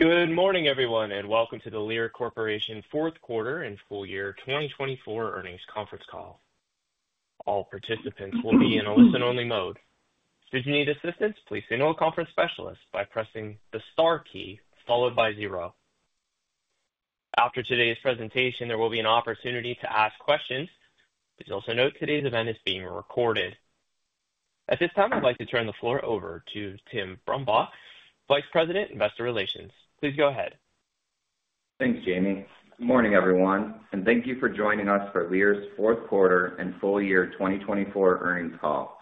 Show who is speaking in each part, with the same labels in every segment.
Speaker 1: Good morning, everyone, and welcome to the Lear Corporation Fourth Quarter and Full Year 2024 Earnings Conference Call. All participants will be in a listen-only mode. If you need assistance, please signal a conference specialist by pressing the star key followed by zero. After today's presentation, there will be an opportunity to ask questions. Please also note today's event is being recorded. At this time, I'd like to turn the floor over to Tim Brumbaugh, Vice President, Investor Relations. Please go ahead.
Speaker 2: Thanks, Jamie. Good morning, everyone, and thank you for joining us for Lear's Fourth Quarter and Full Year 2024 Earnings Call.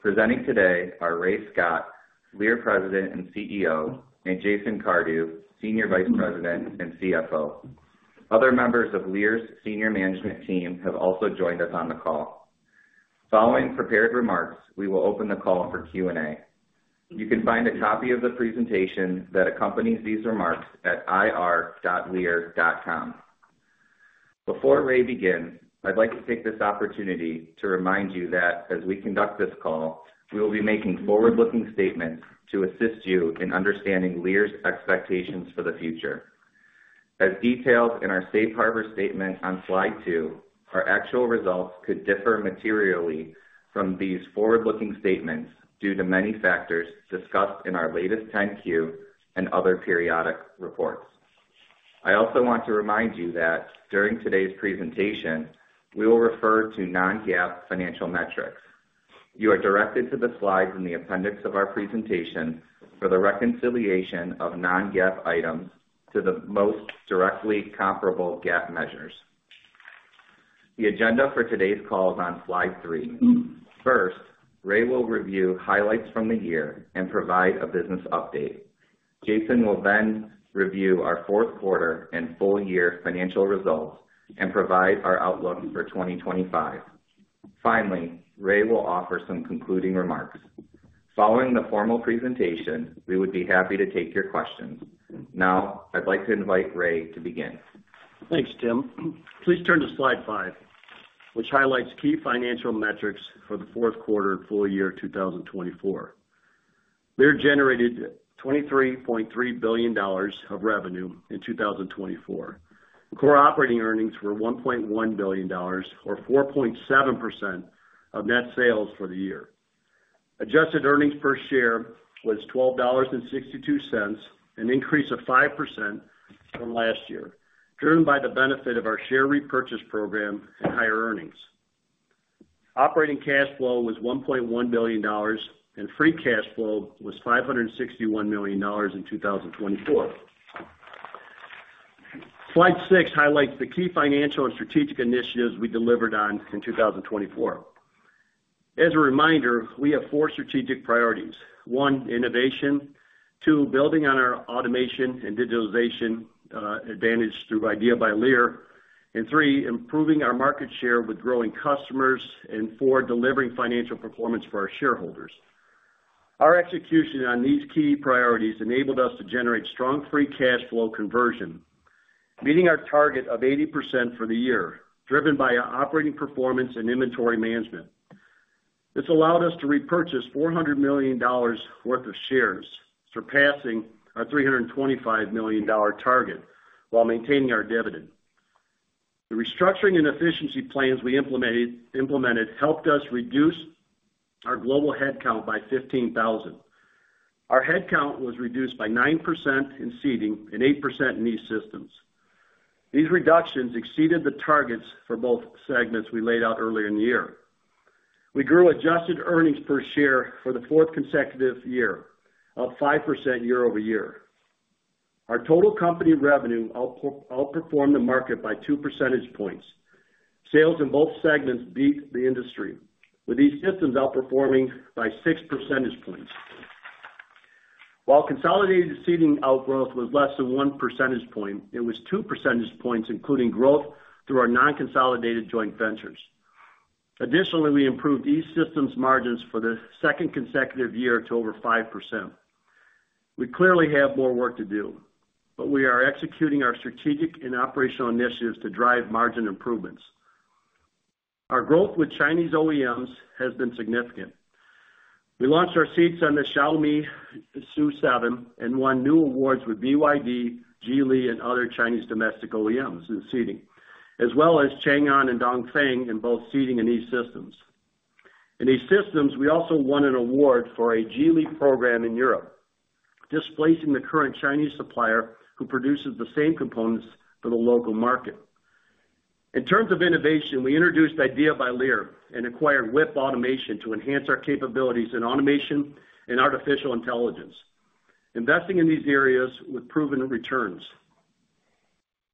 Speaker 2: Presenting today are Ray Scott, Lear President and CEO, and Jason Cardew, Senior Vice President and CFO. Other members of Lear's Senior Management Team have also joined us on the call. Following prepared remarks, we will open the call for Q&A. You can find a copy of the presentation that accompanies these remarks at ir.lear.com. Before Ray begins, I'd like to take this opportunity to remind you that as we conduct this call, we will be making forward-looking statements to assist you in understanding Lear's expectations for the future. As detailed in our Safe Harbor Statement on slide two, our actual results could differ materially from these forward-looking statements due to many factors discussed in our latest 10-Q and other periodic reports. I also want to remind you that during today's presentation, we will refer to non-GAAP financial metrics. You are directed to the slides in the appendix of our presentation for the reconciliation of non-GAAP items to the most directly comparable GAAP measures. The agenda for today's call is on slide three. First, Ray will review highlights from the year and provide a business update. Jason will then review our Fourth Quarter and Full Year financial results and provide our outlook for 2025. Finally, Ray will offer some concluding remarks. Following the formal presentation, we would be happy to take your questions. Now, I'd like to invite Ray to begin.
Speaker 3: Thanks, Tim. Please turn to slide five, which highlights key financial metrics for the fourth quarter and full year 2024. Lear generated $23.3 billion of revenue in 2024. Core operating earnings were $1.1 billion, or 4.7% of net sales for the year. Adjusted earnings per share was $12.62, an increase of 5% from last year, driven by the benefit of our share repurchase program and higher earnings. Operating cash flow was $1.1 billion, and free cash flow was $561 million in 2024. Slide six highlights the key financial and strategic initiatives we delivered on in 2024. As a reminder, we have four strategic priorities: one, innovation; two, building on our automation and digitalization advantage through IDEA by Lear; and three, improving our market share with growing customers; and four, delivering financial performance for our shareholders. Our execution on these key priorities enabled us to generate strong free cash flow conversion, meeting our target of 80% for the year, driven by operating performance and inventory management. This allowed us to repurchase $400 million worth of shares, surpassing our $325 million target while maintaining our dividend. The restructuring and efficiency plans we implemented helped us reduce our global headcount by 15,000. Our headcount was reduced by 9% in Seating and 8% in E-Systems. These reductions exceeded the targets for both segments we laid out earlier in the year. We grew adjusted earnings per share for the fourth consecutive year, up 5% year-over-year. Our total company revenue outperformed the market by 2 percentage points. Sales in both segments beat the industry, with E-Systems outperforming by 6 percentage points. While consolidated Seating outgrowth was less than 1 percentage point, it was 2 percentage points, including growth through our non-consolidated joint ventures. Additionally, we improved E-Systems' margins for the second consecutive year to over 5%. We clearly have more work to do, but we are executing our strategic and operational initiatives to drive margin improvements. Our growth with Chinese OEMs has been significant. We launched our seats on the Xiaomi SU7 and won new awards with BYD, Geely, and other Chinese domestic OEMs in Seating, as well as Changan and Dongfeng in both Seating and E-Systems. In E-Systems, we also won an award for a Geely program in Europe, displacing the current Chinese supplier who produces the same components for the local market. In terms of innovation, we introduced IDEA by Lear and acquired WIP Automation to enhance our capabilities in automation and artificial intelligence, investing in these areas with proven returns.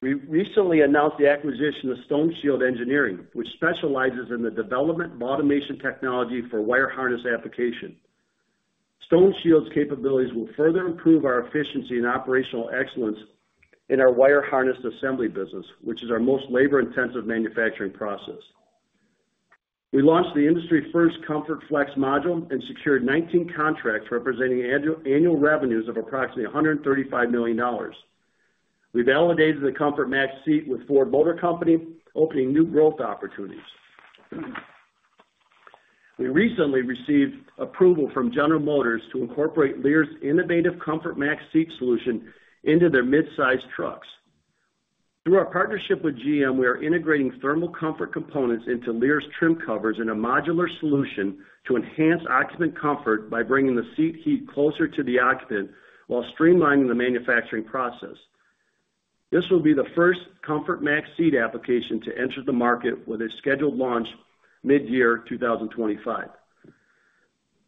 Speaker 3: We recently announced the acquisition of StoneShield Engineering, which specializes in the development of automation technology for wire harness application. StoneShield's capabilities will further improve our efficiency and operational excellence in our wire harness assembly business, which is our most labor-intensive manufacturing process. We launched the industry-first ComfortFlex module and secured 19 contracts representing annual revenues of approximately $135 million. We validated the ComfortMax seat with Ford Motor Company, opening new growth opportunities. We recently received approval from General Motors to incorporate Lear's innovative ComfortMax seat solution into their mid-sized trucks. Through our partnership with GM, we are integrating thermal comfort components into Lear's trim covers in a modular solution to enhance occupant comfort by bringing the seat heat closer to the occupant while streamlining the manufacturing process. This will be the first ComfortMax seat application to enter the market with a scheduled launch mid-year 2025.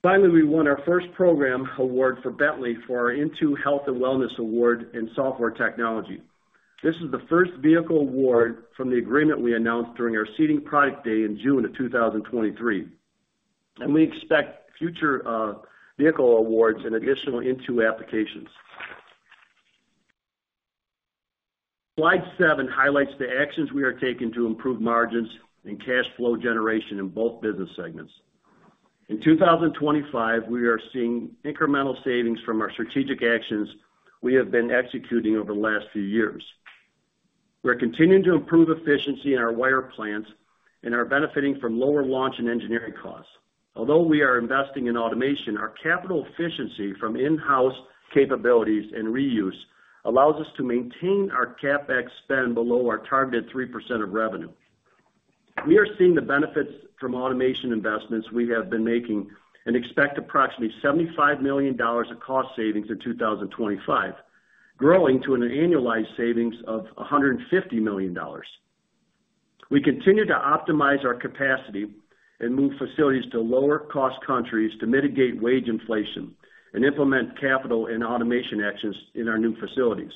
Speaker 3: Finally, we won our first program award for Bentley for our INTU Health and Wellness Award in software technology. This is the first vehicle award from the agreement we announced during our Seating product day in June of 2023, and we expect future vehicle awards and additional INTU applications. Slide seven highlights the actions we are taking to improve margins and cash flow generation in both business segments. In 2025, we are seeing incremental savings from our strategic actions we have been executing over the last few years. We're continuing to improve efficiency in our wire plants and are benefiting from lower launch and engineering costs. Although we are investing in automation, our capital efficiency from in-house capabilities and reuse allows us to maintain our CapEx spend below our targeted 3% of revenue. We are seeing the benefits from automation investments we have been making and expect approximately $75 million of cost savings in 2025, growing to an annualized savings of $150 million. We continue to optimize our capacity and move facilities to lower-cost countries to mitigate wage inflation and implement capital and automation actions in our new facilities.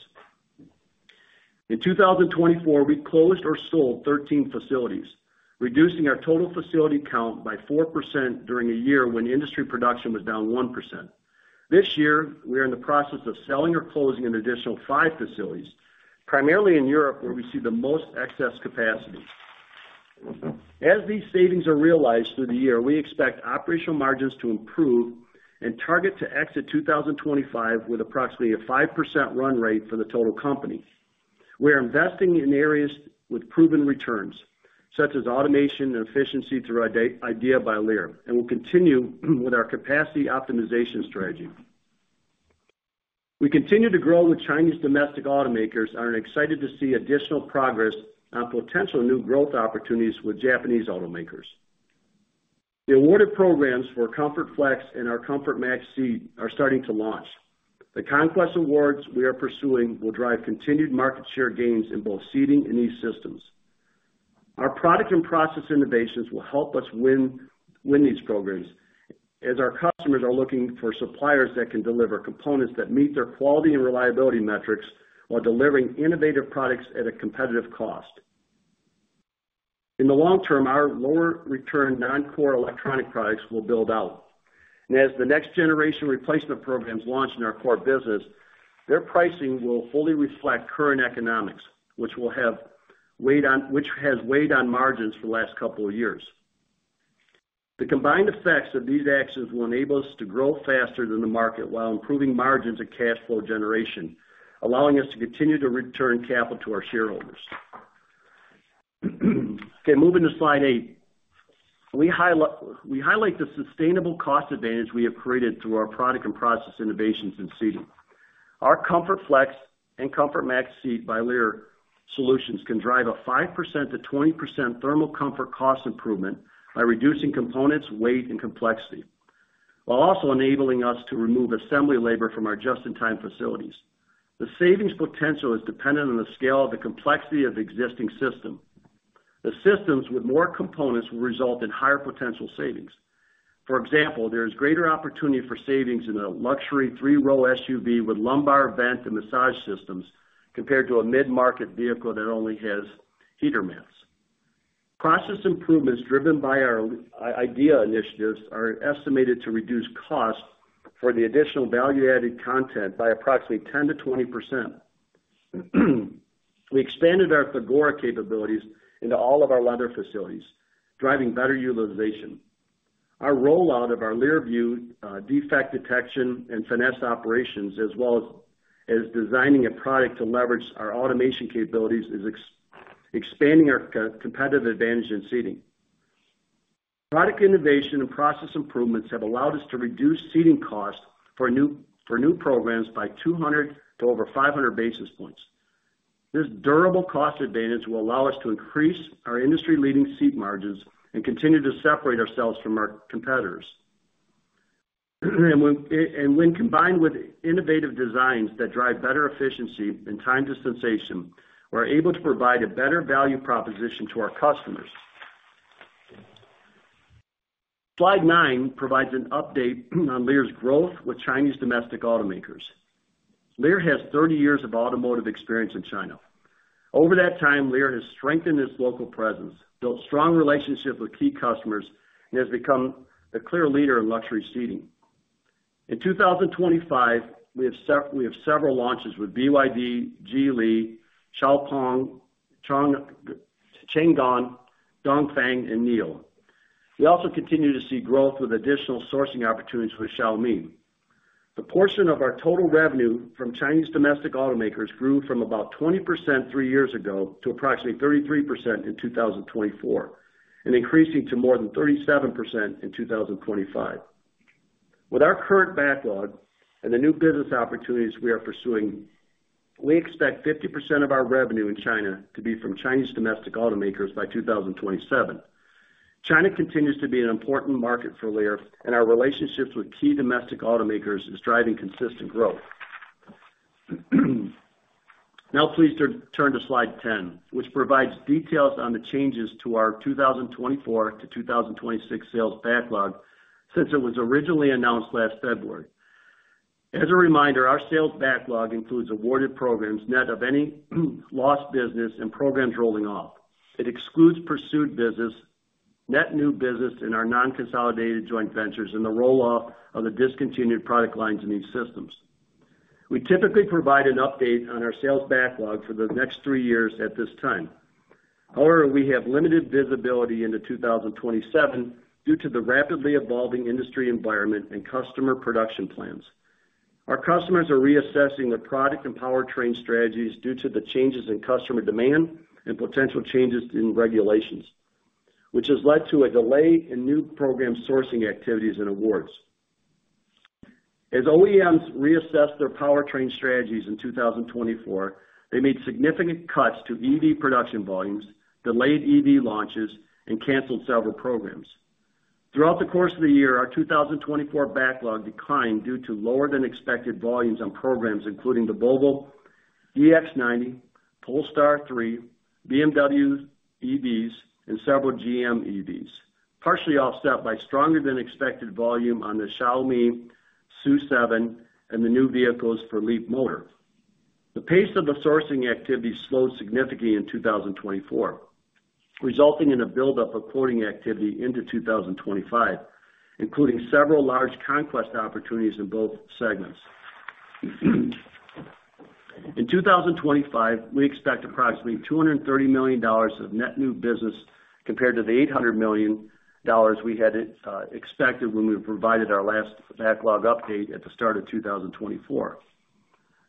Speaker 3: In 2024, we closed or sold 13 facilities, reducing our total facility count by 4% during a year when industry production was down 1%. This year, we are in the process of selling or closing an additional five facilities, primarily in Europe, where we see the most excess capacity. As these savings are realized through the year, we expect operational margins to improve and target to exit 2025 with approximately a 5% run rate for the total company. We are investing in areas with proven returns, such as automation and efficiency through IDEA by Lear, and we'll continue with our capacity optimization strategy. We continue to grow with Chinese domestic automakers and are excited to see additional progress on potential new growth opportunities with Japanese automakers. The awarded programs for ComfortFlex and our ComfortMax seat are starting to launch. The complex awards we are pursuing will drive continued market share gains in both Seating and E-Systems. Our product and process innovations will help us win these programs as our customers are looking for suppliers that can deliver components that meet their quality and reliability metrics while delivering innovative products at a competitive cost. In the long term, our lower-return non-core electronic products will build out, and as the next generation replacement programs launch in our core business, their pricing will fully reflect current economics, which has weighed on margins for the last couple of years. The combined effects of these actions will enable us to grow faster than the market while improving margins and cash flow generation, allowing us to continue to return capital to our shareholders. Okay, moving to slide eight, we highlight the sustainable cost advantage we have created through our product and process innovations in Seating. Our ComfortFlex and ComfortMax seat by Lear solutions can drive a 5%-20% thermal comfort cost improvement by reducing components, weight, and complexity, while also enabling us to remove assembly labor from our Just-in-time facilities. The savings potential is dependent on the scale of the complexity of the existing system. The systems with more components will result in higher potential savings. For example, there is greater opportunity for savings in a luxury three-row SUV with lumbar vent and massage systems compared to a mid-market vehicle that only has heater vents. Process improvements driven by our IDEA initiatives are estimated to reduce costs for the additional value-added content by approximately 10%-20%. We expanded our Thagora capabilities into all of our leather facilities, driving better utilization. Our rollout of our LearVUE defect detection and finesse operations, as well as designing a product to leverage our automation capabilities, is expanding our competitive advantage in Seating. Product innovation and process improvements have allowed us to reduce Seating costs for new programs by 200 to over 500 basis points. This durable cost advantage will allow us to increase our industry-leading seat margins and continue to separate ourselves from our competitors. And when combined with innovative designs that drive better efficiency and time to sensation, we're able to provide a better value proposition to our customers. Slide nine provides an update on Lear's growth with Chinese domestic automakers. Lear has 30 years of automotive experience in China. Over that time, Lear has strengthened its local presence, built strong relationships with key customers, and has become a clear leader in luxury seating. In 2025, we have several launches with BYD, Geely, Xiaopeng, Changan, Dongfeng, and NIO. We also continue to see growth with additional sourcing opportunities with Xiaomi. The portion of our total revenue from Chinese domestic automakers grew from about 20% three years ago to approximately 33% in 2024, and increasing to more than 37% in 2025. With our current backlog and the new business opportunities we are pursuing, we expect 50% of our revenue in China to be from Chinese domestic automakers by 2027. China continues to be an important market for Lear, and our relationships with key domestic automakers are driving consistent growth. Now, please turn to Slide 10, which provides details on the changes to our 2024 to 2026 sales backlog since it was originally announced last February. As a reminder, our sales backlog includes awarded programs net of any lost business and programs rolling off. It excludes pursued business, net new business in our non-consolidated joint ventures, and the roll-off of the discontinued product lines in E-Systems. We typically provide an update on our sales backlog for the next three years at this time. However, we have limited visibility into 2027 due to the rapidly evolving industry environment and customer production plans. Our customers are reassessing their product and powertrain strategies due to the changes in customer demand and potential changes in regulations, which has led to a delay in new program sourcing activities and awards. As OEMs reassessed their powertrain strategies in 2024, they made significant cuts to EV production volumes, delayed EV launches, and canceled several programs. Throughout the course of the year, our 2024 backlog declined due to lower-than-expected volumes on programs, including the Volvo EX90, Polestar 3, BMW EVs, and several GM EVs, partially offset by stronger-than-expected volume on the Xiaomi SU7 and the new vehicles for Leapmotor. The pace of the sourcing activity slowed significantly in 2024, resulting in a buildup of quoting activity into 2025, including several large conquest opportunities in both segments. In 2025, we expect approximately $230 million of net new business compared to the $800 million we had expected when we provided our last backlog update at the start of 2024.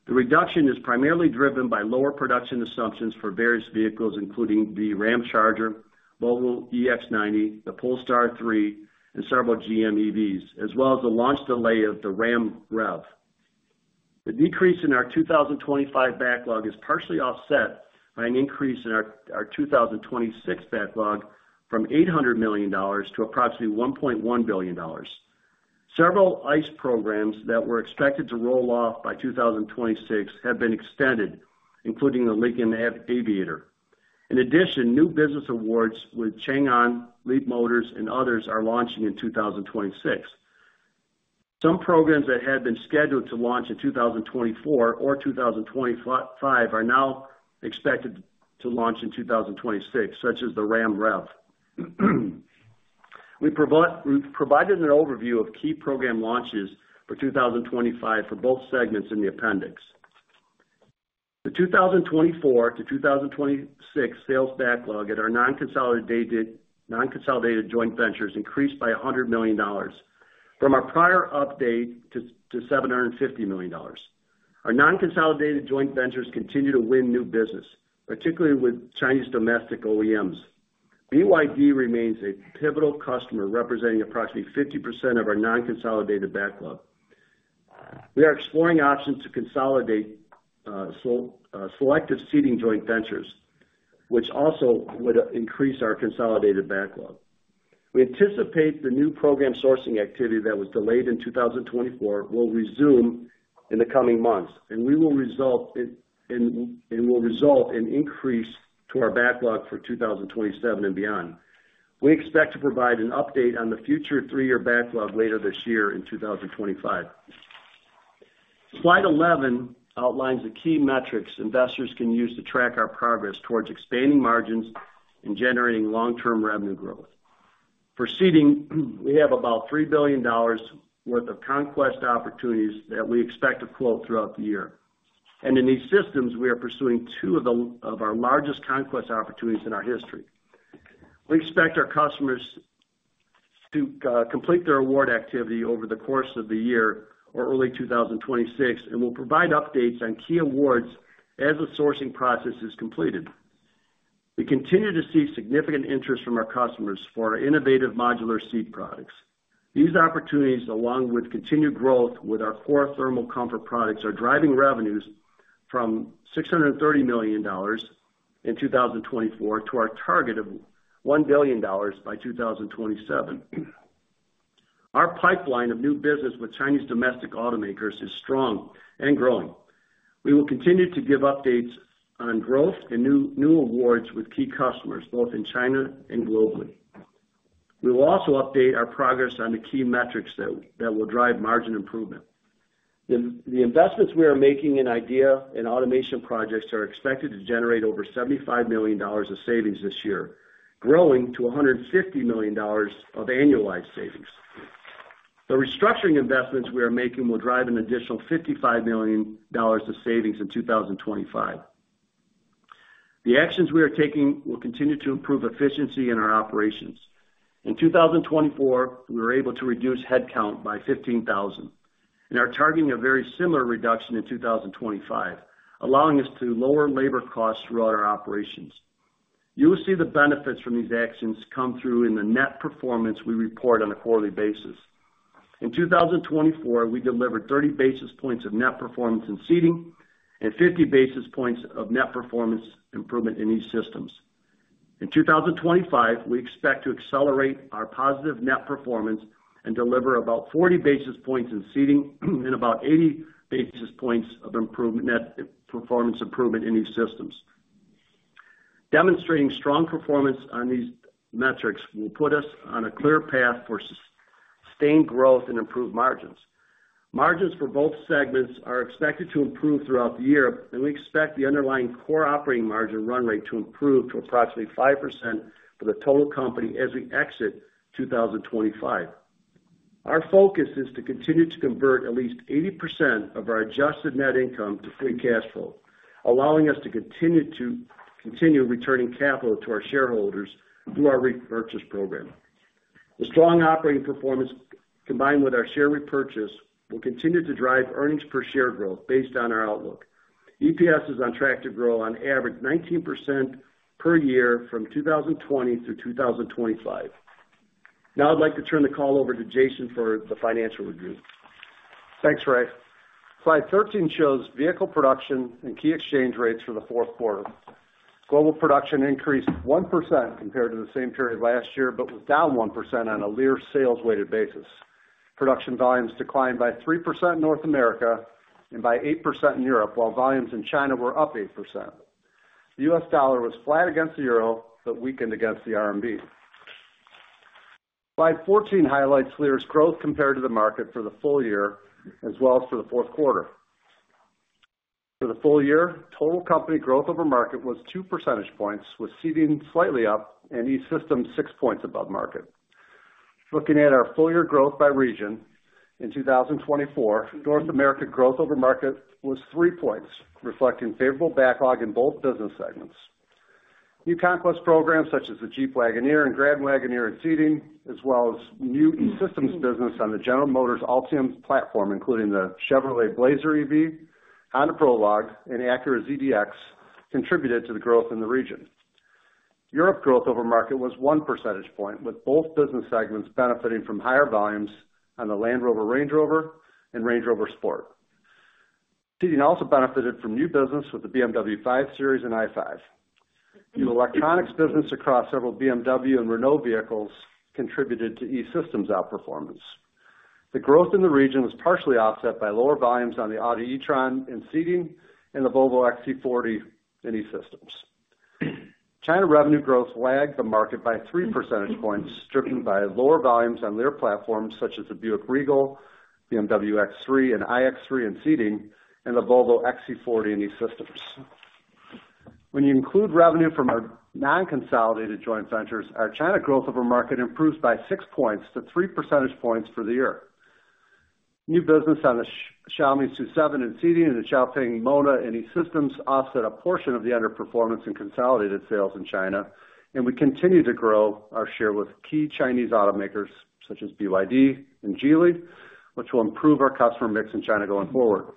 Speaker 3: The reduction is primarily driven by lower production assumptions for various vehicles, including the Ramcharger, Volvo EX90, the Polestar 3, and several GM EVs, as well as the launch delay of the Ram REV. The decrease in our 2025 backlog is partially offset by an increase in our 2026 backlog from $800 million to approximately $1.1 billion. Several ICE programs that were expected to roll off by 2026 have been extended, including the Lincoln Aviator. In addition, new business awards with Changan, Leapmotors, and others are launching in 2026. Some programs that had been scheduled to launch in 2024 or 2025 are now expected to launch in 2026, such as the Ram REV. We provided an overview of key program launches for 2025 for both segments in the appendix. The 2024-2026 sales backlog at our non-consolidated joint ventures increased by $100 million from our prior update to $750 million. Our non-consolidated joint ventures continue to win new business, particularly with Chinese domestic OEMs. BYD remains a pivotal customer representing approximately 50% of our non-consolidated backlog. We are exploring options to consolidate selective Seating joint ventures, which also would increase our consolidated backlog. We anticipate the new program sourcing activity that was delayed in 2024 will resume in the coming months, and we will result in an increase to our backlog for 2027 and beyond. We expect to provide an update on the future three-year backlog later this year in 2025. Slide 11 outlines the key metrics investors can use to track our progress towards expanding margins and generating long-term revenue growth. For Seating, we have about $3 billion worth of conquest opportunities that we expect to quote throughout the year. And in E-Systems, we are pursuing two of our largest conquest opportunities in our history. We expect our customers to complete their award activity over the course of the year or early 2026, and we'll provide updates on key awards as the sourcing process is completed. We continue to see significant interest from our customers for our innovative modular seat products. These opportunities, along with continued growth with our core thermal comfort products, are driving revenues from $630 million in 2024 to our target of $1 billion by 2027. Our pipeline of new business with Chinese domestic automakers is strong and growing. We will continue to give updates on growth and new awards with key customers, both in China and globally. We will also update our progress on the key metrics that will drive margin improvement. The investments we are making in IDEA and automation projects are expected to generate over $75 million of savings this year, growing to $150 million of annualized savings. The restructuring investments we are making will drive an additional $55 million of savings in 2025. The actions we are taking will continue to improve efficiency in our operations. In 2024, we were able to reduce headcount by 15,000, and are targeting a very similar reduction in 2025, allowing us to lower labor costs throughout our operations. You will see the benefits from these actions come through in the net performance we report on a quarterly basis. In 2024, we delivered 30 basis points of net performance in Seating and 50 basis points of net performance improvement in E-Systems. In 2025, we expect to accelerate our positive net performance and deliver about 40 basis points in Seating and about 80 basis points of performance improvement in E-Systems. Demonstrating strong performance on these metrics will put us on a clear path for sustained growth and improved margins. Margins for both segments are expected to improve throughout the year, and we expect the underlying core operating margin run rate to improve to approximately 5% for the total company as we exit 2025. Our focus is to continue to convert at least 80% of our adjusted net income to free cash flow, allowing us to continue returning capital to our shareholders through our repurchase program. The strong operating performance, combined with our share repurchase, will continue to drive earnings per share growth based on our outlook. EPS is on track to grow on average 19% per year from 2020 through 2025. Now, I'd like to turn the call over to Jason for the financial review.
Speaker 4: Thanks, Ray. Slide 13 shows vehicle production and key exchange rates for the fourth quarter. Global production increased 1% compared to the same period last year, but was down 1% on a Lear sales-weighted basis. Production volumes declined by 3% in North America and by 8% in Europe, while volumes in China were up 8%. The U.S. dollar was flat against the euro, but weakened against the RMB. Slide 14 highlights Lear's growth compared to the market for the full year, as well as for the fourth quarter. For the full year, total company growth over market was 2 percentage points, with Seating slightly up and E-Systems 6 points above market. Looking at our full-year growth by region, in 2024, North America growth over market was 3 points, reflecting favorable backlog in both business segments. New conquest programs such as the Jeep Wagoneer and Grand Wagoneer in Seating, as well as new E-Systems business on the General Motors Ultium platform, including the Chevrolet Blazer EV, Honda Prologue, and Acura ZDX, contributed to the growth in the region. Europe growth over market was 1 percentage point, with both business segments benefiting from higher volumes on the Land Rover Range Rover and Range Rover Sport. Seating also benefited from new business with the BMW 5 Series and i5. New electronics business across several BMW and Renault vehicles contributed to E-Systems outperformance. The growth in the region was partially offset by lower volumes on the Audi e-tron in Seating and the Volvo XC40 in E-Systems. China revenue growth lagged the market by 3 percentage points, driven by lower volumes on Lear platforms such as the Buick Regal, BMW X3, and iX3 in Seating, and the Volvo XC40 in E-Systems. When you include revenue from our non-consolidated joint ventures, our China growth over market improved by 6 points to 3 percentage points for the year. New business on the Xiaomi SU7 in seating and the Xiaopeng Mona in E-Systems offset a portion of the underperformance in consolidated sales in China, and we continue to grow our share with key Chinese automakers such as BYD and Geely, which will improve our customer mix in China going forward.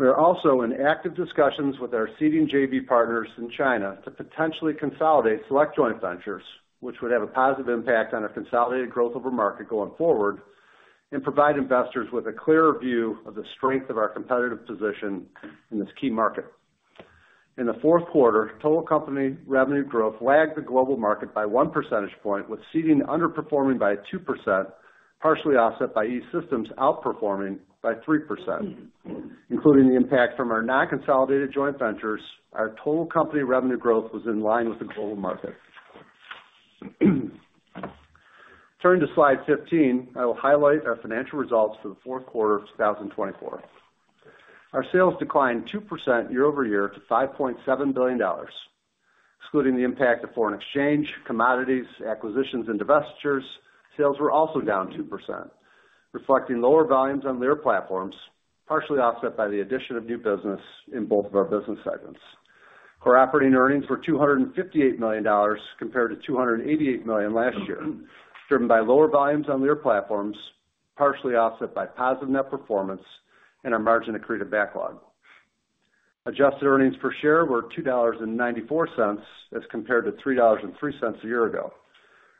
Speaker 4: We are also in active discussions with our Seating JV partners in China to potentially consolidate select joint ventures, which would have a positive impact on our consolidated growth over market going forward and provide investors with a clearer view of the strength of our competitive position in this key market. In the fourth quarter, total company revenue growth lagged the global market by 1 percentage point, with Seating underperforming by 2%, partially offset by E-Systems outperforming by 3%. Including the impact from our non-consolidated joint ventures, our total company revenue growth was in line with the global market. Turning to Slide 15, I will highlight our financial results for the fourth quarter of 2024. Our sales declined 2% year-over-year to $5.7 billion. Excluding the impact of foreign exchange, commodities, acquisitions, and divestitures, sales were also down 2%, reflecting lower volumes on Lear platforms, partially offset by the addition of new business in both of our business segments. Core operating earnings were $258 million compared to $288 million last year, driven by lower volumes on Lear platforms, partially offset by positive net performance and our margin-accreted backlog. Adjusted earnings per share were $2.94 as compared to $3.03 a year ago,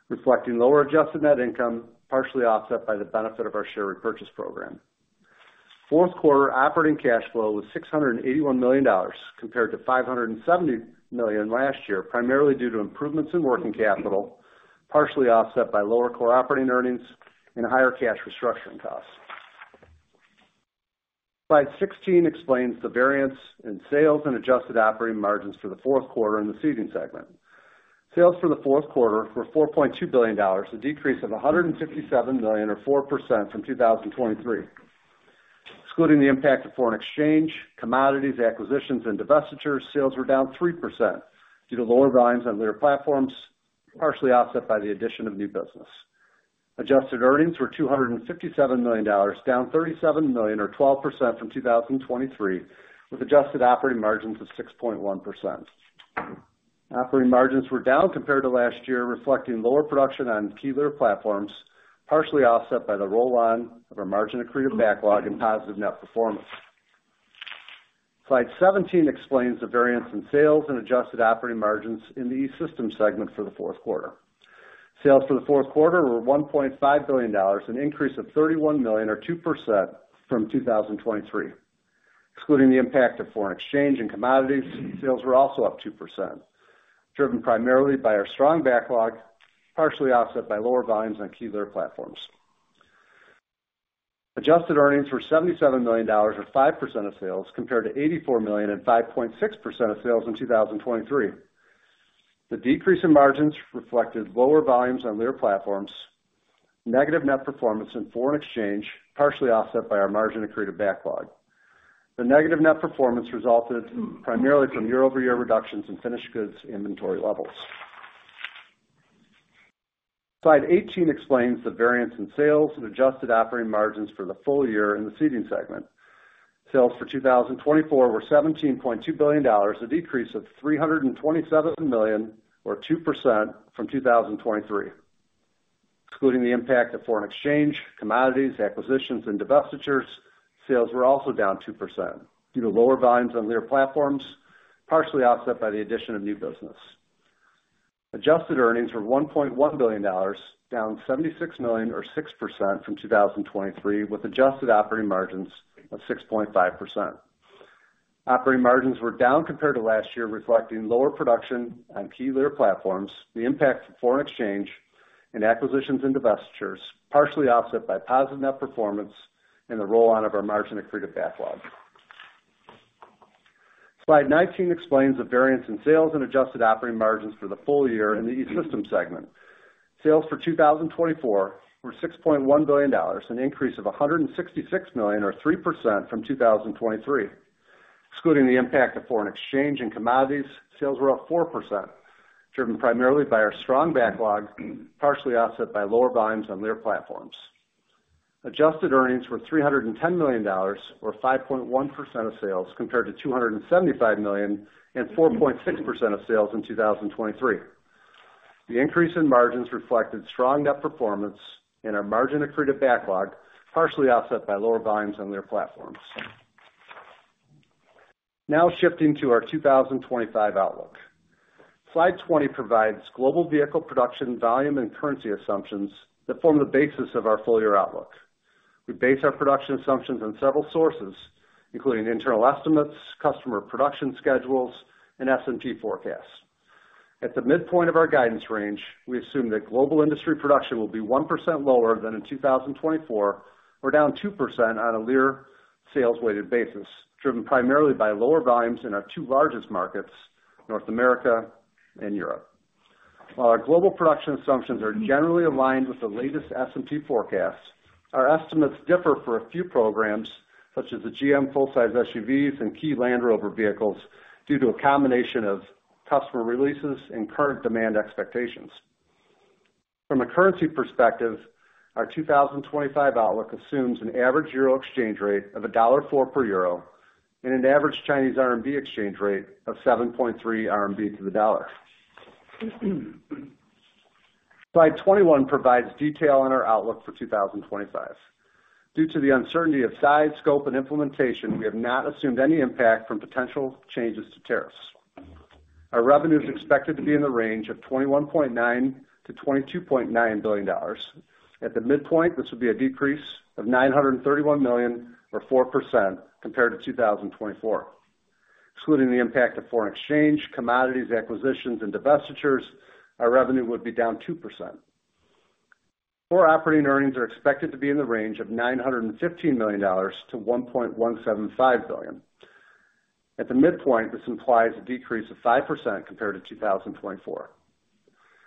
Speaker 4: reflecting lower adjusted net income, partially offset by the benefit of our share repurchase program. Fourth quarter operating cash flow was $681 million compared to $570 million last year, primarily due to improvements in working capital, partially offset by lower core operating earnings and higher cash restructuring costs. Slide 16 explains the variance in sales and adjusted operating margins for the fourth quarter in the Seating segment. Sales for the fourth quarter were $4.2 billion, a decrease of $157 million, or 4% from 2023. Excluding the impact of foreign exchange, commodities, acquisitions, and divestitures, sales were down 3% due to lower volumes on Lear platforms, partially offset by the addition of new business. Adjusted earnings were $257 million, down $37 million, or 12% from 2023, with adjusted operating margins of 6.1%. Operating margins were down compared to last year, reflecting lower production on key Lear platforms, partially offset by the roll-on of our margin-accreted backlog and positive net performance. Slide 17 explains the variance in sales and adjusted operating margins in the E-Systems segment for the fourth quarter. Sales for the fourth quarter were $1.5 billion, an increase of $31 million, or 2% from 2023. Excluding the impact of foreign exchange and commodities, sales were also up 2%, driven primarily by our strong backlog, partially offset by lower volumes on key Lear platforms. Adjusted earnings were $77 million, or 5% of sales, compared to $84 million and 5.6% of sales in 2023. The decrease in margins reflected lower volumes on Lear platforms, negative net performance in foreign exchange, partially offset by our margin-accreted backlog. The negative net performance resulted primarily from year-over-year reductions in finished goods inventory levels. Slide 18 explains the variance in sales and adjusted operating margins for the full year in the Seating segment. Sales for 2024 were $17.2 billion, a decrease of $327 million, or 2% from 2023. Excluding the impact of foreign exchange, commodities, acquisitions, and divestitures, sales were also down 2% due to lower volumes on Lear platforms, partially offset by the addition of new business. Adjusted earnings were $1.1 billion, down $76 million, or 6% from 2023, with adjusted operating margins of 6.5%. Operating margins were down compared to last year, reflecting lower production on key Lear platforms, the impact of foreign exchange and acquisitions and divestitures, partially offset by positive net performance and the roll-on of our margin-accreted backlog. Slide 19 explains the variance in sales and adjusted operating margins for the full year in the E-Systems segment. Sales for 2024 were $6.1 billion, an increase of $166 million, or 3% from 2023. Excluding the impact of foreign exchange and commodities, sales were up 4%, driven primarily by our strong backlog, partially offset by lower volumes on Lear platforms. Adjusted earnings were $310 million, or 5.1% of sales, compared to $275 million and 4.6% of sales in 2023. The increase in margins reflected strong net performance and our margin-accreted backlog, partially offset by lower volumes on Lear platforms. Now shifting to our 2025 outlook. Slide 20 provides global vehicle production volume and currency assumptions that form the basis of our full-year outlook. We base our production assumptions on several sources, including internal estimates, customer production schedules, and S&P forecasts. At the midpoint of our guidance range, we assume that global industry production will be 1% lower than in 2024, or down 2% on a Lear sales-weighted basis, driven primarily by lower volumes in our two largest markets, North America and Europe. While our global production assumptions are generally aligned with the latest S&P forecasts, our estimates differ for a few programs, such as the GM full-size SUVs and key Land Rover vehicles, due to a combination of customer releases and current demand expectations. From a currency perspective, our 2025 outlook assumes an average euro exchange rate of $1.04 per euro and an average Chinese RMB exchange rate of 7.3 RMB to the dollar. Slide 21 provides detail on our outlook for 2025. Due to the uncertainty of size, scope, and implementation, we have not assumed any impact from potential changes to tariffs. Our revenue is expected to be in the range of $21.9 billion-$22.9 billion. At the midpoint, this would be a decrease of $931 million, or 4%, compared to 2024. Excluding the impact of foreign exchange, commodities, acquisitions, and divestitures, our revenue would be down 2%. Core operating earnings are expected to be in the range of $915 million-$1.175 billion. At the midpoint, this implies a decrease of 5% compared to 2024.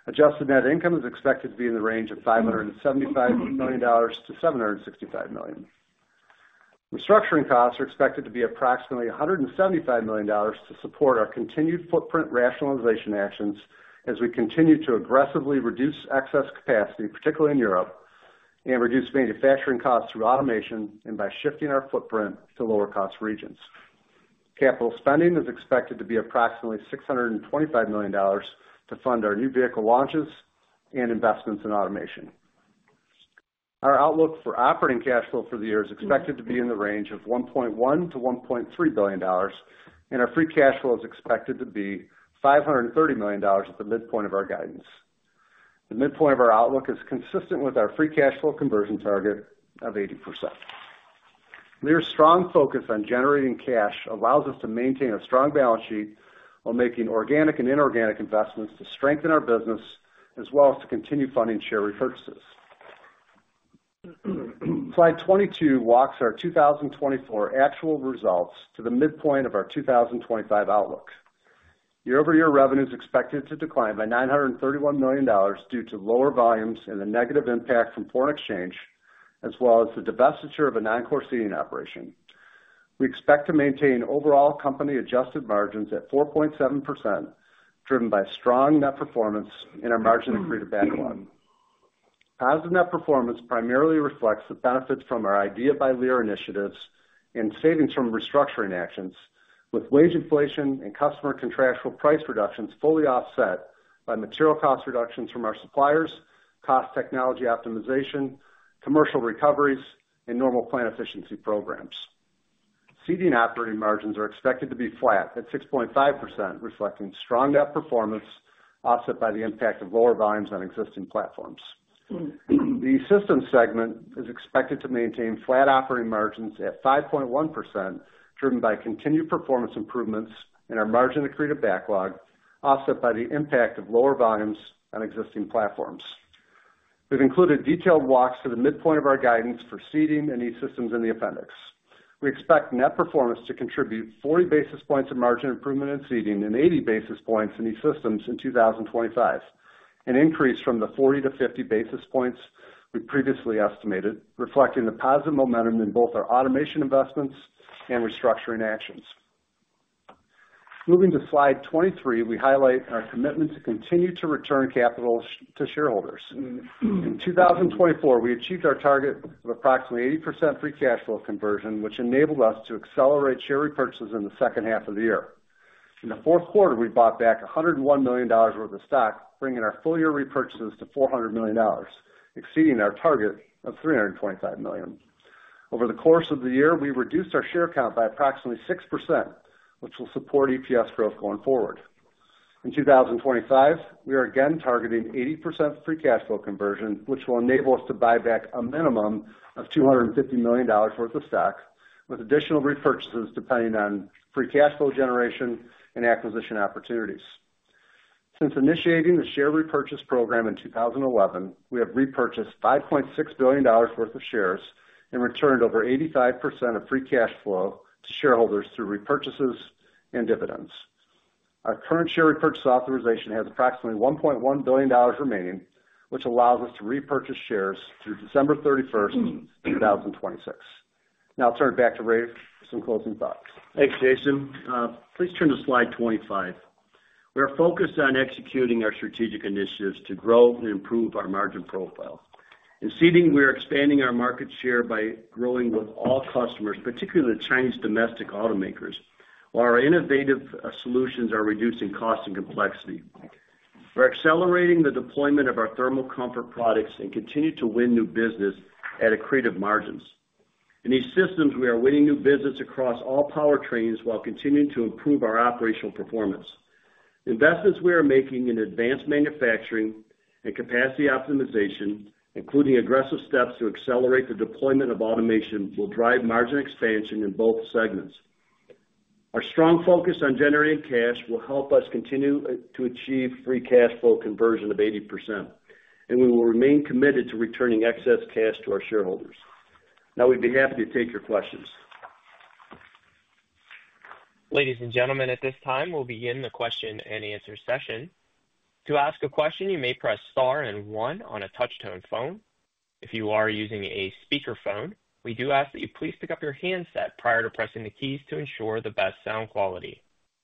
Speaker 4: Adjusted net income is expected to be in the range of $575 million-$765 million. Restructuring costs are expected to be approximately $175 million to support our continued footprint rationalization actions as we continue to aggressively reduce excess capacity, particularly in Europe, and reduce manufacturing costs through automation and by shifting our footprint to lower-cost regions. Capital spending is expected to be approximately $625 million to fund our new vehicle launches and investments in automation. Our outlook for operating cash flow for the year is expected to be in the range of $1.1 billion-$1.3 billion, and our free cash flow is expected to be $530 million at the midpoint of our guidance. The midpoint of our outlook is consistent with our free cash flow conversion target of 80%. Lear's strong focus on generating cash allows us to maintain a strong balance sheet while making organic and inorganic investments to strengthen our business, as well as to continue funding share repurchases. Slide 22 walks our 2024 actual results to the midpoint of our 2025 outlook. Year-over-year revenue is expected to decline by $931 million due to lower volumes and the negative impact from foreign exchange, as well as the divestiture of a non-core Seating operation. We expect to maintain overall company adjusted margins at 4.7%, driven by strong net performance and our margin-accreted backlog. Positive net performance primarily reflects the benefits from our IDEA by Lear initiatives and savings from restructuring actions, with wage inflation and customer contractual price reductions fully offset by material cost reductions from our suppliers, cost technology optimization, commercial recoveries, and normal plant efficiency programs. Seating operating margins are expected to be flat at 6.5%, reflecting strong net performance offset by the impact of lower volumes on existing platforms. The E-Systems segment is expected to maintain flat operating margins at 5.1%, driven by continued performance improvements in our margin-accreted backlog, offset by the impact of lower volumes on existing platforms. We've included detailed walks to the midpoint of our guidance for Seating and E-Systems in the appendix. We expect net performance to contribute 40 basis points of margin improvement in Seating and 80 basis points in E-Systems in 2025, an increase from the 40-50 basis points we previously estimated, reflecting the positive momentum in both our automation investments and restructuring actions. Moving to Slide 23, we highlight our commitment to continue to return capital to shareholders. In 2024, we achieved our target of approximately 80% free cash flow conversion, which enabled us to accelerate share repurchases in the second half of the year. In the fourth quarter, we bought back $101 million worth of stock, bringing our full-year repurchases to $400 million, exceeding our target of $325 million. Over the course of the year, we reduced our share count by approximately 6%, which will support EPS growth going forward. In 2025, we are again targeting 80% free cash flow conversion, which will enable us to buy back a minimum of $250 million worth of stock, with additional repurchases depending on free cash flow generation and acquisition opportunities. Since initiating the share repurchase program in 2011, we have repurchased $5.6 billion worth of shares and returned over 85% of free cash flow to shareholders through repurchases and dividends. Our current share repurchase authorization has approximately $1.1 billion remaining, which allows us to repurchase shares through December 31st, 2026. Now I'll turn it back to Ray for some closing thoughts.
Speaker 3: Thanks, Jason. Please turn to Slide 25. We are focused on executing our strategic initiatives to grow and improve our margin profile. In Seating, we are expanding our market share by growing with all customers, particularly the Chinese domestic automakers, while our innovative solutions are reducing cost and complexity. We're accelerating the deployment of our thermal comfort products and continue to win new business at accretive margins. In E-Systems, we are winning new business across all powertrains while continuing to improve our operational performance. Investments we are making in advanced manufacturing and capacity optimization, including aggressive steps to accelerate the deployment of automation, will drive margin expansion in both segments. Our strong focus on generating cash will help us continue to achieve free cash flow conversion of 80%, and we will remain committed to returning excess cash to our shareholders. Now we'd be happy to take your questions.
Speaker 1: Ladies and gentlemen, at this time, we'll begin the question and answer session. To ask a question, you may press star and one on a touch-tone phone. If you are using a speakerphone, we do ask that you please pick up your handset prior to pressing the keys to ensure the best sound quality.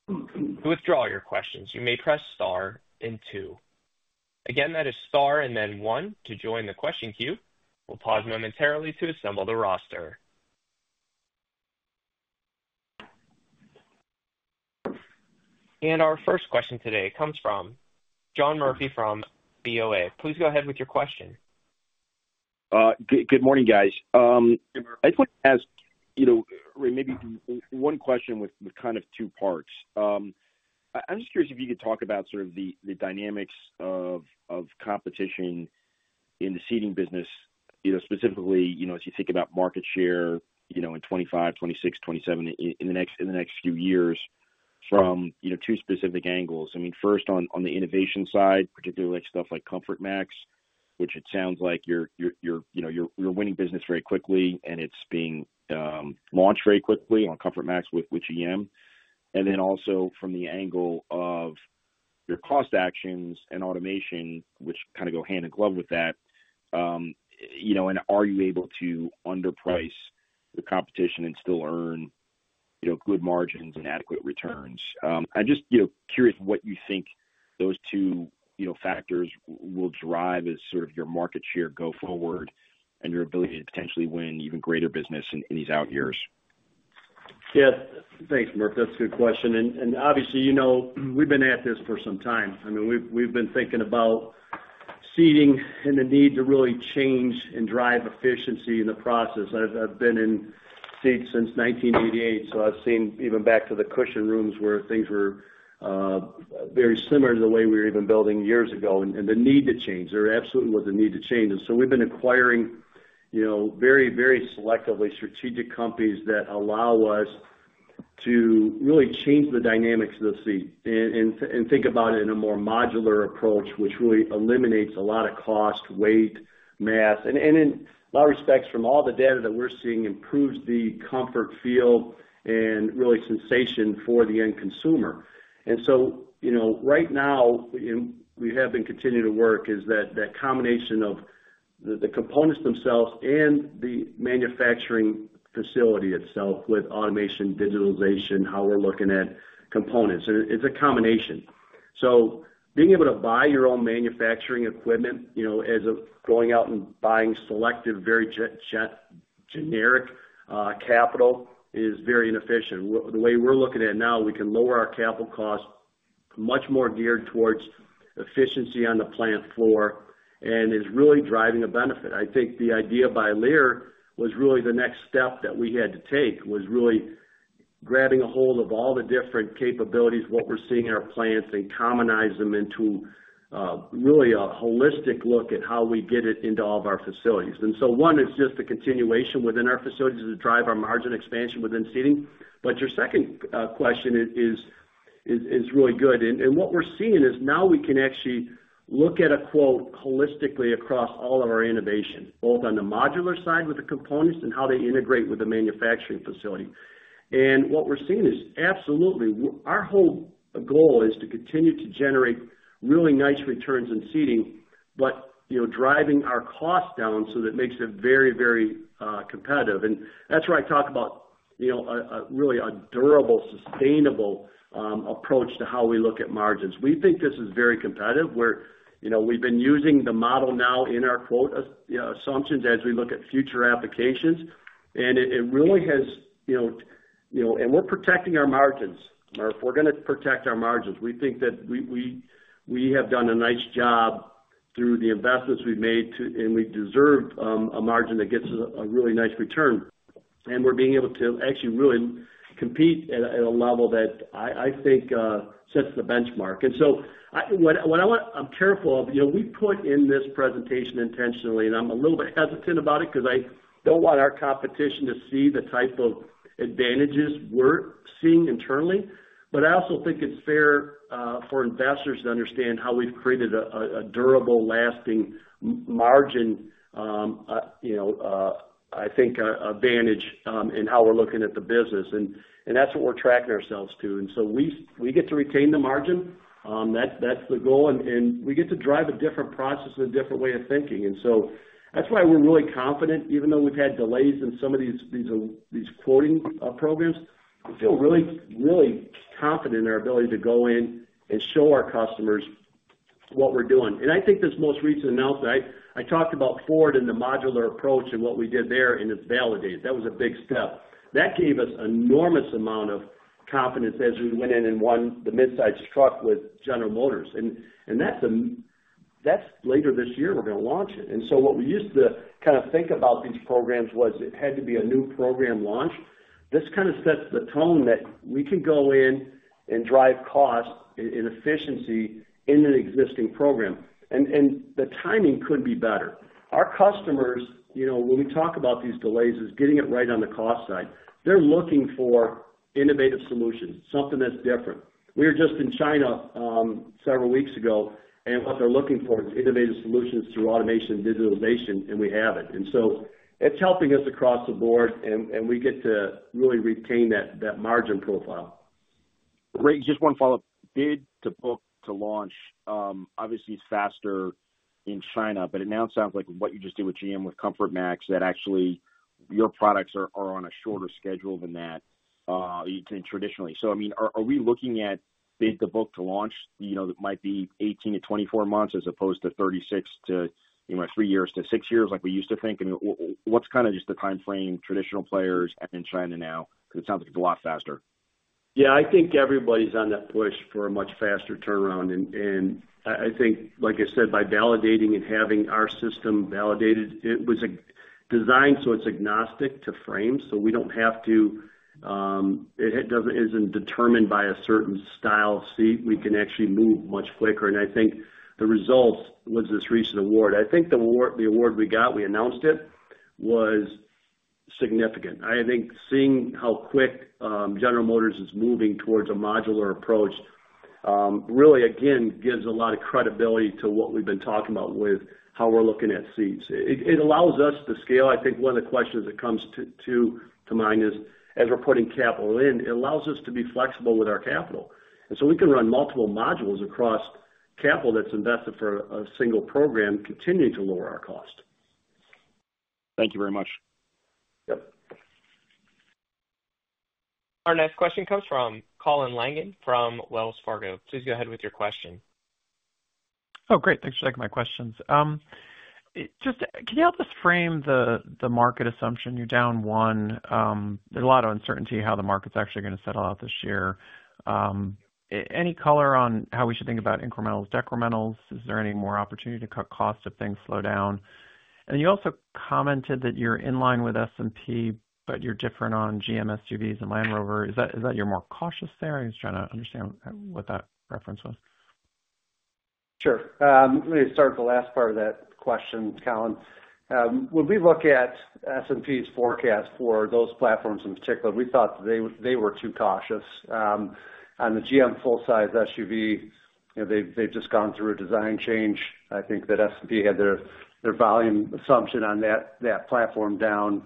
Speaker 1: To withdraw your questions, you may press star and two. Again, that is star and then one to join the question queue. We'll pause momentarily to assemble the roster. And our first question today comes from John Murphy from BOA. Please go ahead with your question.
Speaker 5: Good morning, guys. I just wanted to ask, you know, Ray, maybe one question with kind of two parts. I'm just curious if you could talk about sort of the dynamics of competition in the Seating business, specifically as you think about market share in 2025, 2026, 2027, in the next few years from two specific angles. I mean, first on the innovation side, particularly stuff like ComfortMax, which it sounds like you're winning business very quickly and it's being launched very quickly on ComfortMax with GM. And then also from the angle of your cost actions and automation, which kind of go hand in glove with that, and are you able to underprice your competition and still earn good margins and adequate returns? I'm just curious what you think those two factors will drive as sort of your market share go forward and your ability to potentially win even greater business in these out years.
Speaker 3: Yeah. Thanks, Murph. That's a good question. And obviously, you know we've been at this for some time. I mean, we've been thinking about Seating and the need to really change and drive efficiency in the process. I've been in seats since 1988, so I've seen even back to the cushion rooms where things were very similar to the way we were even building years ago and the need to change. There absolutely was a need to change. And so we've been acquiring very, very selectively strategic companies that allow us to really change the dynamics of the seat and think about it in a more modular approach, which really eliminates a lot of cost, weight, mass, and in a lot of respects from all the data that we're seeing improves the comfort feel and really sensation for the end consumer. Right now, we have been continuing to work is that combination of the components themselves and the manufacturing facility itself with automation, digitalization, how we're looking at components. It's a combination. Being able to buy your own manufacturing equipment as of going out and buying selective, very generic capital is very inefficient. The way we're looking at it now, we can lower our capital costs much more geared towards efficiency on the plant floor and is really driving a benefit. I think the IDEA by Lear was really the next step that we had to take was really grabbing a hold of all the different capabilities, what we're seeing in our plants, and commonize them into really a holistic look at how we get it into all of our facilities. One is just the continuation within our facilities to drive our margin expansion within Seating. But your second question is really good. And what we're seeing is now we can actually look at a quote holistically across all of our innovation, both on the modular side with the components and how they integrate with the manufacturing facility. And what we're seeing is absolutely our whole goal is to continue to generate really nice returns in Seating, but driving our cost down so that it makes it very, very competitive. And that's where I talk about really a durable, sustainable approach to how we look at margins. We think this is very competitive. We've been using the model now in our quote assumptions as we look at future applications. And it really has and we're protecting our margins, Murph. We're going to protect our margins. We think that we have done a nice job through the investments we've made, and we deserve a margin that gets us a really nice return, and we're being able to actually really compete at a level that I think sets the benchmark, and so what I want to, I'm careful of. We put in this presentation intentionally, and I'm a little bit hesitant about it because I don't want our competition to see the type of advantages we're seeing internally, but I also think it's fair for investors to understand how we've created a durable, lasting margin, I think, advantage in how we're looking at the business, and that's what we're tracking ourselves to, and so we get to retain the margin. That's the goal, and we get to drive a different process and a different way of thinking. And so that's why we're really confident, even though we've had delays in some of these quoting programs, we feel really, really confident in our ability to go in and show our customers what we're doing. And I think this most recent announcement, I talked about Ford and the modular approach and what we did there, and it's validated. That was a big step. That gave us an enormous amount of confidence as we went in and won the midsize truck with General Motors. And that's later this year we're going to launch it. And so what we used to kind of think about these programs was it had to be a new program launch. This kind of sets the tone that we can go in and drive cost and efficiency in an existing program. And the timing couldn't be better. Our customers, when we talk about these delays, is getting it right on the cost side. They're looking for innovative solutions, something that's different. We were just in China several weeks ago, and what they're looking for is innovative solutions through automation and digitalization, and we have it. And so it's helping us across the board, and we get to really retain that margin profile.
Speaker 5: Ray, just one follow-up. Did the book to launch obviously is faster in China, but it now sounds like what you just did with GM with ComfortMax, that actually your products are on a shorter schedule than that traditionally. So I mean, are we looking at the book to launch that might be 18-24 months as opposed to 36 to 3 years to 6 years like we used to think? And what's kind of just the timeframe traditional players. And in China now, because it sounds like it's a lot faster.
Speaker 3: Yeah, I think everybody's on that push for a much faster turnaround. And I think, like I said, by validating and having our system validated, it was designed so it's agnostic to frames. So we don't have to. It isn't determined by a certain style seat. We can actually move much quicker. And I think the results was this recent award. I think the award we got, we announced it, was significant. I think seeing how quick General Motors is moving towards a modular approach really, again, gives a lot of credibility to what we've been talking about with how we're looking at seats. It allows us to scale. I think one of the questions that comes to mind is, as we're putting capital in, it allows us to be flexible with our capital. And so we can run multiple modules across capital that's invested for a single program, continuing to lower our cost.
Speaker 5: Thank you very much.
Speaker 3: Yep.
Speaker 1: Our next question comes from Colin Langan from Wells Fargo. Please go ahead with your question.
Speaker 6: Oh, great. Thanks for taking my questions. Just, can you help us frame the market assumption? You're down one. There's a lot of uncertainty how the market's actually going to settle out this year. Any color on how we should think about incrementals, decrementals? Is there any more opportunity to cut costs if things slow down? And you also commented that you're in line with S&P, but you're different on GM SUVs and Land Rover. Is that you're more cautious there? I was trying to understand what that reference was.
Speaker 3: Sure. Let me start the last part of that question, Colin. When we look at S&P's forecast for those platforms in particular, we thought they were too cautious. On the GM full-size SUV, they've just gone through a design change. I think that S&P had their volume assumption on that platform down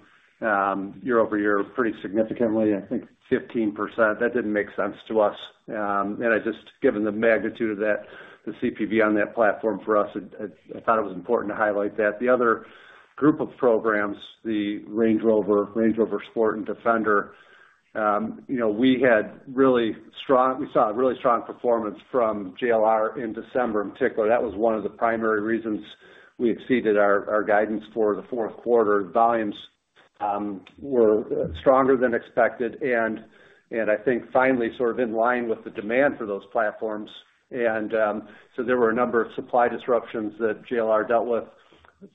Speaker 3: year-over-year pretty significantly, I think 15%. That didn't make sense to us. And I just, given the magnitude of that, the CPV on that platform for us, I thought it was important to highlight that. The other group of programs, the Range Rover, Range Rover Sport, and Defender, we saw really strong performance from JLR in December in particular. That was one of the primary reasons we exceeded our guidance for the fourth quarter. Volumes were stronger than expected, and I think finally sort of in line with the demand for those platforms. And so there were a number of supply disruptions that JLR dealt with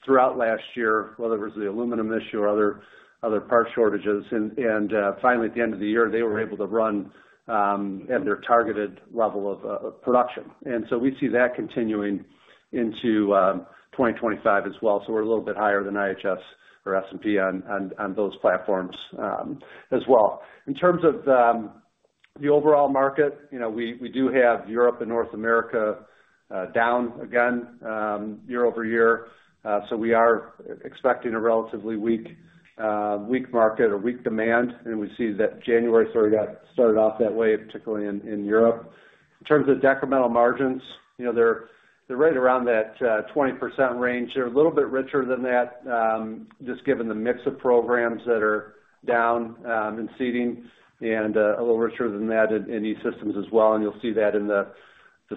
Speaker 3: throughout last year, whether it was the aluminum issue or other part shortages. And finally, at the end of the year, they were able to run at their targeted level of production. And so we see that continuing into 2025 as well. So we're a little bit higher than IHS or S&P on those platforms as well. In terms of the overall market, we do have Europe and North America down again year-over-year. So we are expecting a relatively weak market or weak demand. And we see that January 3rd got started off that way, particularly in Europe. In terms of decremental margins, they're right around that 20% range. They're a little bit richer than that, just given the mix of programs that are down in Seating and a little richer than that in E-Systems as well. And you'll see that in the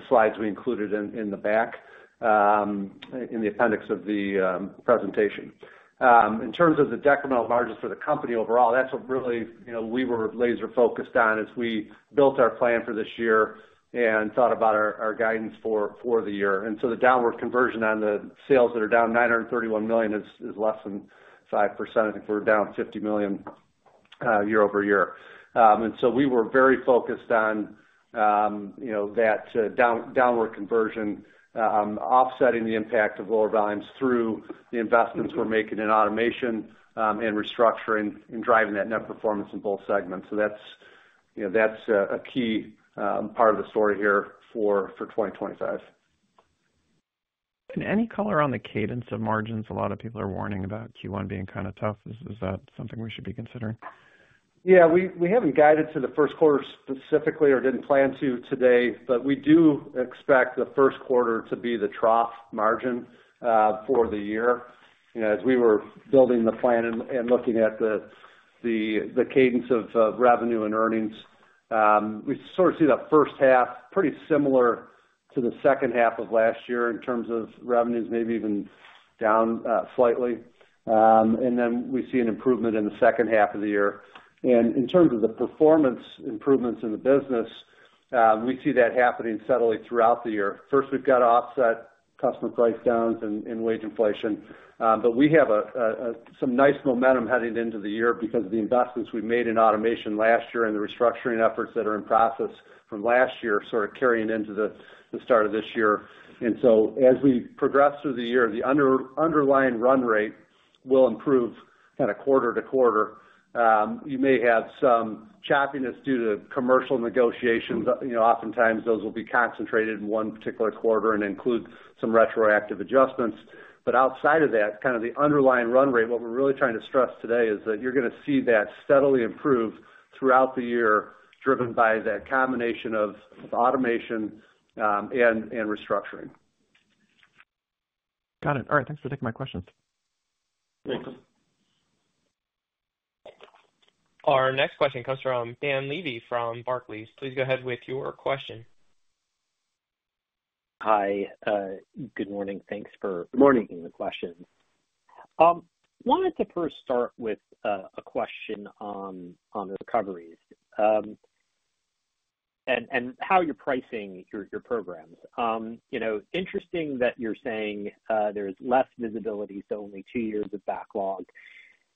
Speaker 3: slides we included in the back, in the appendix of the presentation. In terms of the decremental margins for the company overall, that's what really we were laser-focused on as we built our plan for this year and thought about our guidance for the year. And so the downward conversion on the sales that are down $931 million is less than 5%. I think we're down $50 million year-over-year. And so we were very focused on that downward conversion, offsetting the impact of lower volumes through the investments we're making in automation and restructuring and driving that net performance in both segments. So that's a key part of the story here for 2025.
Speaker 6: Any color on the cadence of margins? A lot of people are warning about Q1 being kind of tough. Is that something we should be considering?
Speaker 3: Yeah. We haven't guided to the first quarter specifically or didn't plan to today, but we do expect the first quarter to be the trough margin for the year. As we were building the plan and looking at the cadence of revenue and earnings, we sort of see that first half pretty similar to the second half of last year in terms of revenues, maybe even down slightly. And then we see an improvement in the second half of the year. And in terms of the performance improvements in the business, we see that happening steadily throughout the year. First, we've got offset customer price-downs and wage inflation. But we have some nice momentum heading into the year because of the investments we made in automation last year and the restructuring efforts that are in process from last year sort of carrying into the start of this year. And so as we progress through the year, the underlying run rate will improve kind of quarter to quarter. You may have some choppiness due to commercial negotiations. Oftentimes, those will be concentrated in one particular quarter and include some retroactive adjustments. But outside of that, kind of the underlying run rate, what we're really trying to stress today is that you're going to see that steadily improve throughout the year, driven by that combination of automation and restructuring.
Speaker 6: Got it. All right. Thanks for taking my questions.
Speaker 3: Thanks.
Speaker 1: Our next question comes from Dan Levy from Barclays. Please go ahead with your question.
Speaker 7: Hi. Good morning. Thanks for taking the question. Wanted to first start with a question on recoveries and how you're pricing your programs. Interesting that you're saying there's less visibility, so only two years of backlog,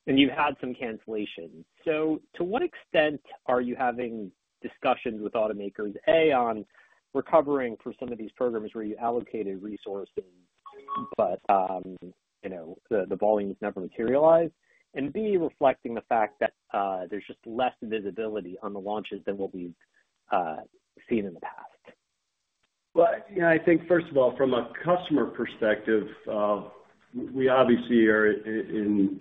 Speaker 7: and you've had some cancellation. So to what extent are you having discussions with automakers, A, on recovering for some of these programs where you allocated resources, but the volumes never materialized, and B, reflecting the fact that there's just less visibility on the launches than what we've seen in the past?
Speaker 3: Well, I think, first of all, from a customer perspective, we obviously are in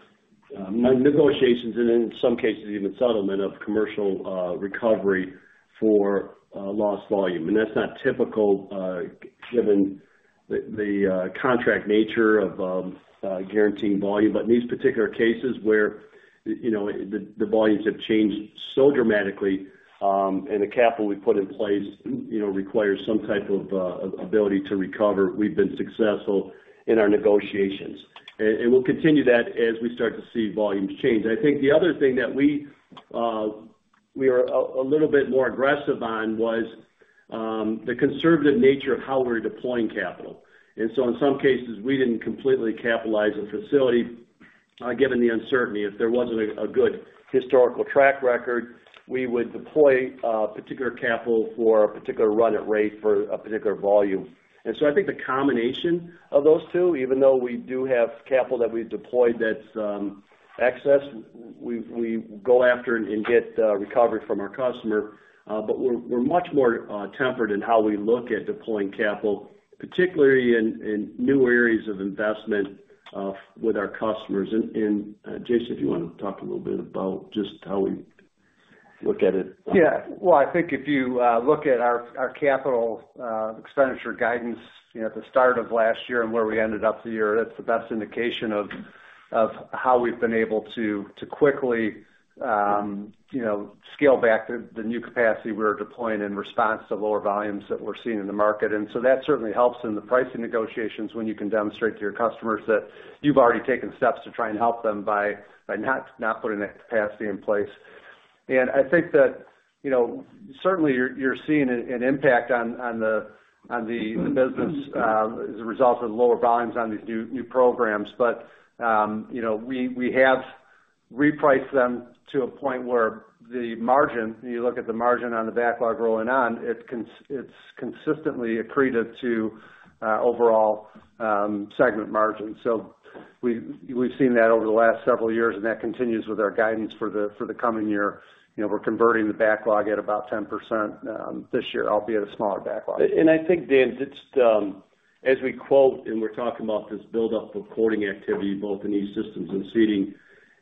Speaker 3: negotiations and in some cases, even settlement of commercial recovery for lost volume. And that's not typical given the contract nature of guaranteeing volume. But in these particular cases where the volumes have changed so dramatically and the capital we put in place requires some type of ability to recover, we've been successful in our negotiations. And we'll continue that as we start to see volumes change. I think the other thing that we are a little bit more aggressive on was the conservative nature of how we're deploying capital. And so in some cases, we didn't completely capitalize the facility given the uncertainty. If there wasn't a good historical track record, we would deploy particular capital for a particular run-at-rate for a particular volume. And so I think the combination of those two, even though we do have capital that we've deployed that's excess, we go after and get recovery from our customer. But we're much more tempered in how we look at deploying capital, particularly in new areas of investment with our customers. And Jason, if you want to talk a little bit about just how we look at it.
Speaker 4: Yeah. Well, I think if you look at our capital expenditure guidance at the start of last year and where we ended up the year, that's the best indication of how we've been able to quickly scale back the new capacity we're deploying in response to lower volumes that we're seeing in the market. And so that certainly helps in the pricing negotiations when you can demonstrate to your customers that you've already taken steps to try and help them by not putting that capacity in place. And I think that certainly you're seeing an impact on the business as a result of lower volumes on these new programs. But we have repriced them to a point where the margin, you look at the margin on the backlog rolling on, it's consistently accretive to overall segment margins. So we've seen that over the last several years, and that continues with our guidance for the coming year. We're converting the backlog at about 10% this year, albeit a smaller backlog.
Speaker 3: And I think, Dan, just as we quote and we're talking about this buildup of quoting activity, both in E-Systems and Seating,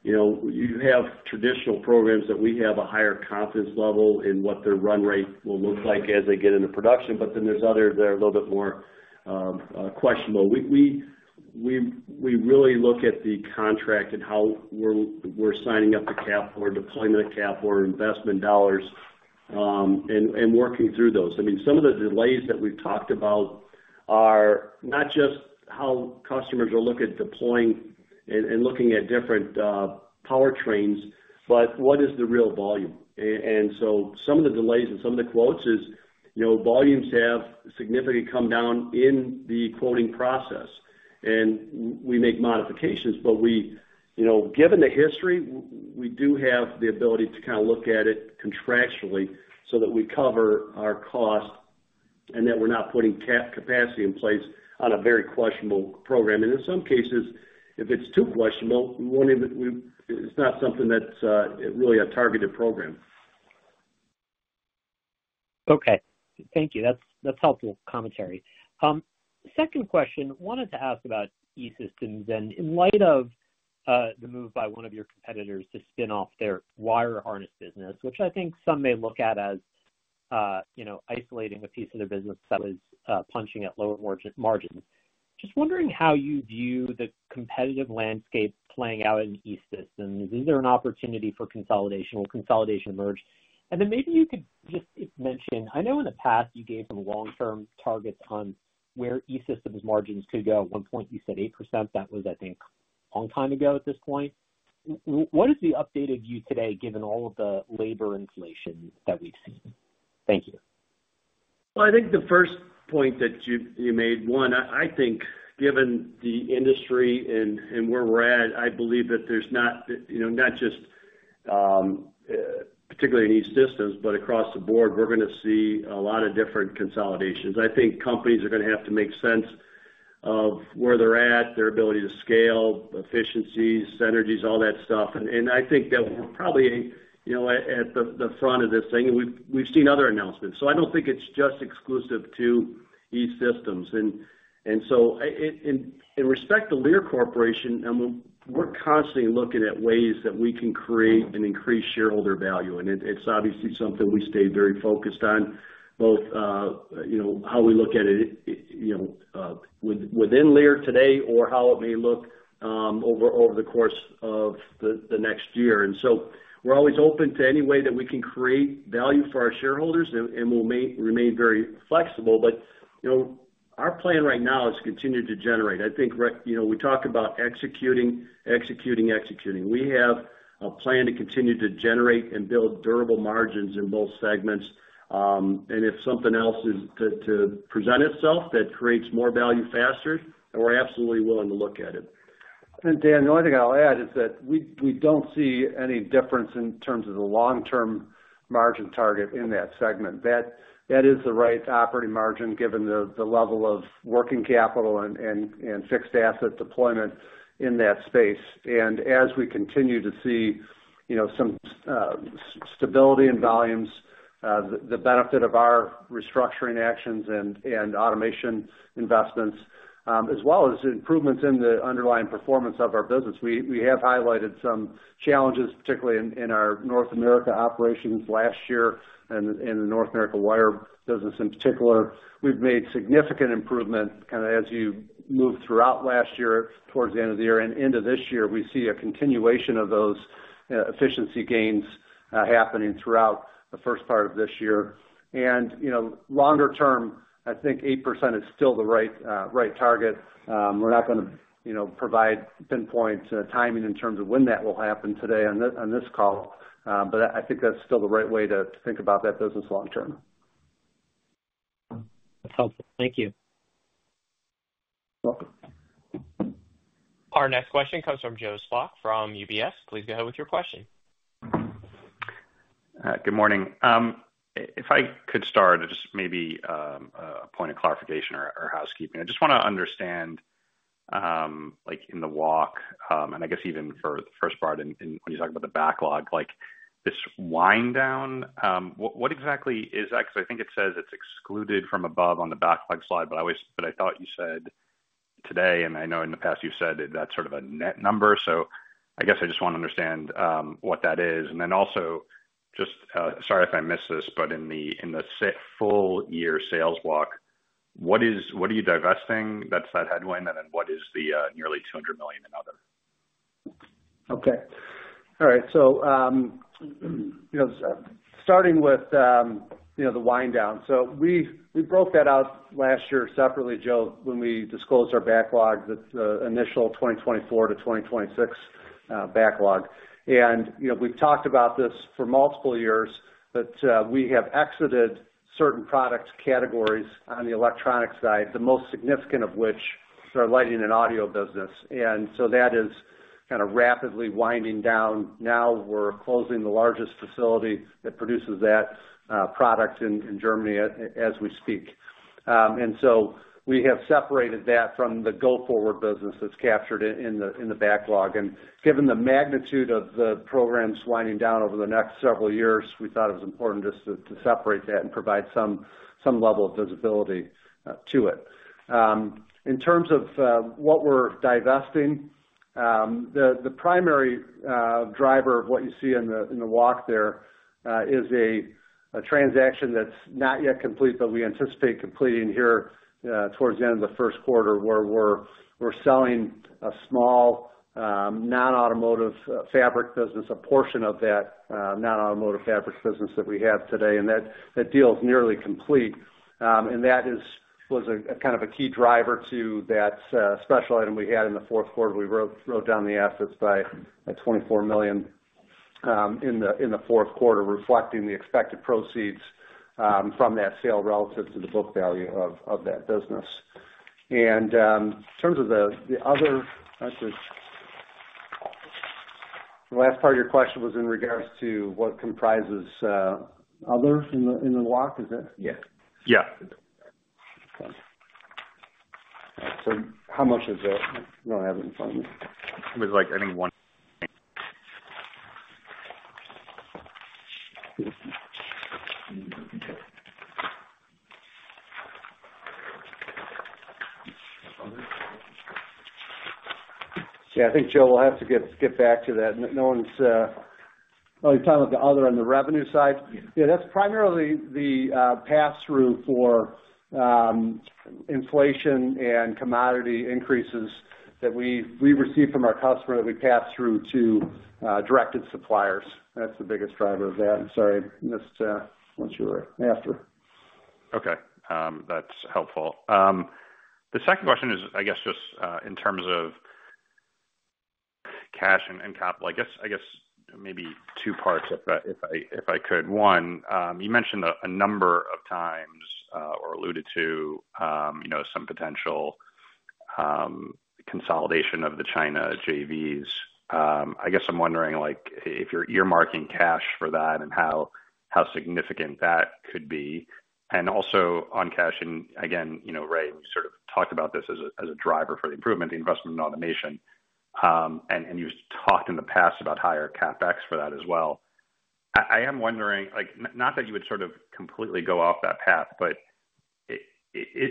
Speaker 3: you have traditional programs that we have a higher confidence level in what their run rate will look like as they get into production. But then there's others that are a little bit more questionable. We really look at the contract and how we're signing up the capital or deployment of capital or investment dollars and working through those. I mean, some of the delays that we've talked about are not just how customers will look at deploying and looking at different powertrains, but what is the real volume? And so some of the delays in some of the quotes is volumes have significantly come down in the quoting process. And we make modifications. But given the history, we do have the ability to kind of look at it contractually so that we cover our cost and that we're not putting capacity in place on a very questionable program. And in some cases, if it's too questionable, it's not something that's really a targeted program.
Speaker 7: Okay. Thank you. That's helpful commentary. Second question, wanted to ask about E-Systems and in light of the move by one of your competitors to spin off their wire harness business, which I think some may look at as isolating a piece of their business that was punching at lower margins. Just wondering how you view the competitive landscape playing out in E-Systems. Is there an opportunity for consolidation? Will consolidation emerge? And then maybe you could just mention, I know in the past you gave some long-term targets on where E-Systems margins could go. At one point, you said 8%. That was, I think, a long time ago at this point. What is the updated view today given all of the labor inflation that we've seen? Thank you.
Speaker 3: I think the first point that you made, one, I think given the industry and where we're at, I believe that there's not just particularly in E-Systems, but across the board, we're going to see a lot of different consolidations. I think companies are going to have to make sense of where they're at, their ability to scale, efficiencies, synergies, all that stuff. And I think that we're probably at the front of this thing. And we've seen other announcements. So I don't think it's just exclusive to E-Systems. And so in respect to Lear Corporation, we're constantly looking at ways that we can create and increase shareholder value. And it's obviously something we stay very focused on, both how we look at it within Lear today or how it may look over the course of the next year. And so we're always open to any way that we can create value for our shareholders and will remain very flexible. But our plan right now is to continue to generate. I think we talk about executing, executing, executing. We have a plan to continue to generate and build durable margins in both segments. And if something else is to present itself that creates more value faster, we're absolutely willing to look at it.
Speaker 4: And Dan, the only thing I'll add is that we don't see any difference in terms of the long-term margin target in that segment. That is the right operating margin given the level of working capital and fixed asset deployment in that space. And as we continue to see some stability in volumes, the benefit of our restructuring actions and automation investments, as well as improvements in the underlying performance of our business, we have highlighted some challenges, particularly in our North America operations last year and in the North America wire business in particular. We've made significant improvement kind of as you move throughout last year towards the end of the year and into this year. We see a continuation of those efficiency gains happening throughout the first part of this year. And longer term, I think 8% is still the right target. We're not going to provide pinpoints and timing in terms of when that will happen today on this call. But I think that's still the right way to think about that business long term.
Speaker 7: That's helpful. Thank you.
Speaker 4: You're welcome.
Speaker 1: Our next question comes from Joe Spak from UBS.Please go ahead with your question.
Speaker 8: Good morning. If I could start, just maybe a point of clarification or housekeeping. I just want to understand in the walk, and I guess even for the first part when you talk about the backlog, this wind-down, what exactly is that? Because I think it says it's excluded from above on the backlog slide, but I thought you said today, and I know in the past you've said that's sort of a net number. So I guess I just want to understand what that is. And then also, just sorry if I missed this, but in the full year sales walk, what are you divesting? That's that headwind. And then what is the nearly $200 million in other?
Speaker 4: Okay. All right. So starting with the wind down, so we broke that out last year separately, Joe, when we disclosed our backlog, the initial 2024-2026 backlog. And we've talked about this for multiple years, but we have exited certain product categories on the electronic side, the most significant of which are lighting and audio business. And so that is kind of rapidly winding down. Now we're closing the largest facility that produces that product in Germany as we speak. And so we have separated that from the go-forward business that's captured in the backlog. And given the magnitude of the programs winding down over the next several years, we thought it was important just to separate that and provide some level of visibility to it. In terms of what we're divesting, the primary driver of what you see in the walk there is a transaction that's not yet complete, but we anticipate completing here towards the end of the first quarter where we're selling a small non-automotive fabric business, a portion of that non-automotive fabric business that we have today. And that deal is nearly complete. And that was kind of a key driver to that special item we had in the fourth quarter. We wrote down the assets by $24 million in the fourth quarter, reflecting the expected proceeds from that sale relative to the book value of that business. And in terms of the other last part of your question was in regards to what comprises other in the walk, is it?
Speaker 8: Yeah.
Speaker 4: Yeah. Okay. So how much is it? I don't have it in front of me. It was like I think one thing. Yeah. I think Joe will have to get back to that. No one's probably talking about the other on the revenue side. Yeah. That's primarily the pass-through for inflation and commodity increases that we receive from our customer that we pass through to directed suppliers. That's the biggest driver of that. I'm sorry. That's what you were after.
Speaker 8: Okay. That's helpful. The second question is, I guess, just in terms of cash and capital, I guess maybe two parts if I could. One, you mentioned a number of times or alluded to some potential consolidation of the China JVs. I guess I'm wondering if you're earmarking cash for that and how significant that could be. And also on cash, and again, Ray and you sort of talked about this as a driver for the improvement, the investment in automation. And you've talked in the past about higher CapEx for that as well. I am wondering, not that you would sort of completely go off that path, but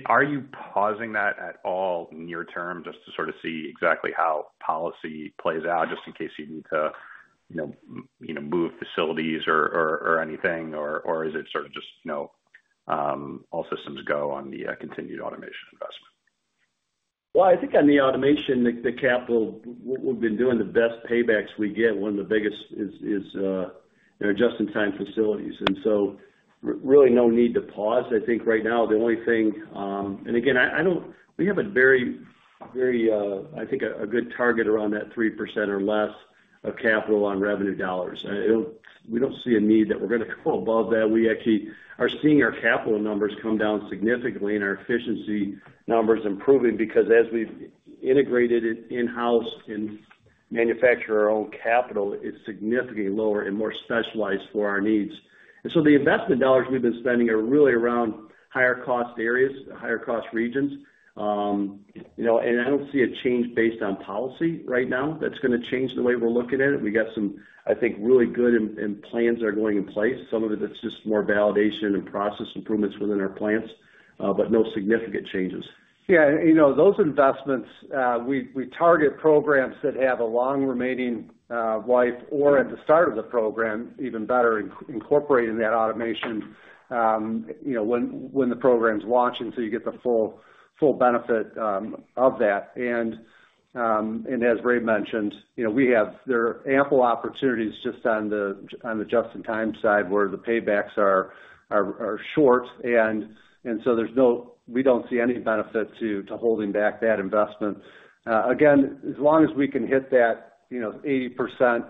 Speaker 8: are you pausing that at all near-term just to sort of see exactly how policy plays out just in case you need to move facilities or anything, or is it sort of just all systems go on the continued automation investment?
Speaker 3: Well, I think on the automation, the capital, we've been doing the best paybacks we get. One of the biggest is Just-in-time facilities. And so really no need to pause. I think right now, the only thing, and again, we have a very, very, I think, a good target around that 3% or less of capital on revenue dollars. We don't see a need that we're going to go above that. We actually are seeing our capital numbers come down significantly and our efficiency numbers improving because as we've integrated it in-house and manufactured our own capital, it's significantly lower and more specialized for our needs. And so the investment dollars we've been spending are really around higher-cost areas, higher-cost regions. And I don't see a change based on policy right now that's going to change the way we're looking at it. We got some, I think, really good plans that are going in place. Some of it, it's just more validation and process improvements within our plants, but no significant changes.
Speaker 4: Yeah. Those investments, we target programs that have a long remaining life or at the start of the program, even better, incorporating that automation when the program's launched until you get the full benefit of that. And as Ray mentioned, we have there are ample opportunities just on the Just-in-time side where the paybacks are short. And so we don't see any benefit to holding back that investment. Again, as long as we can hit that 80%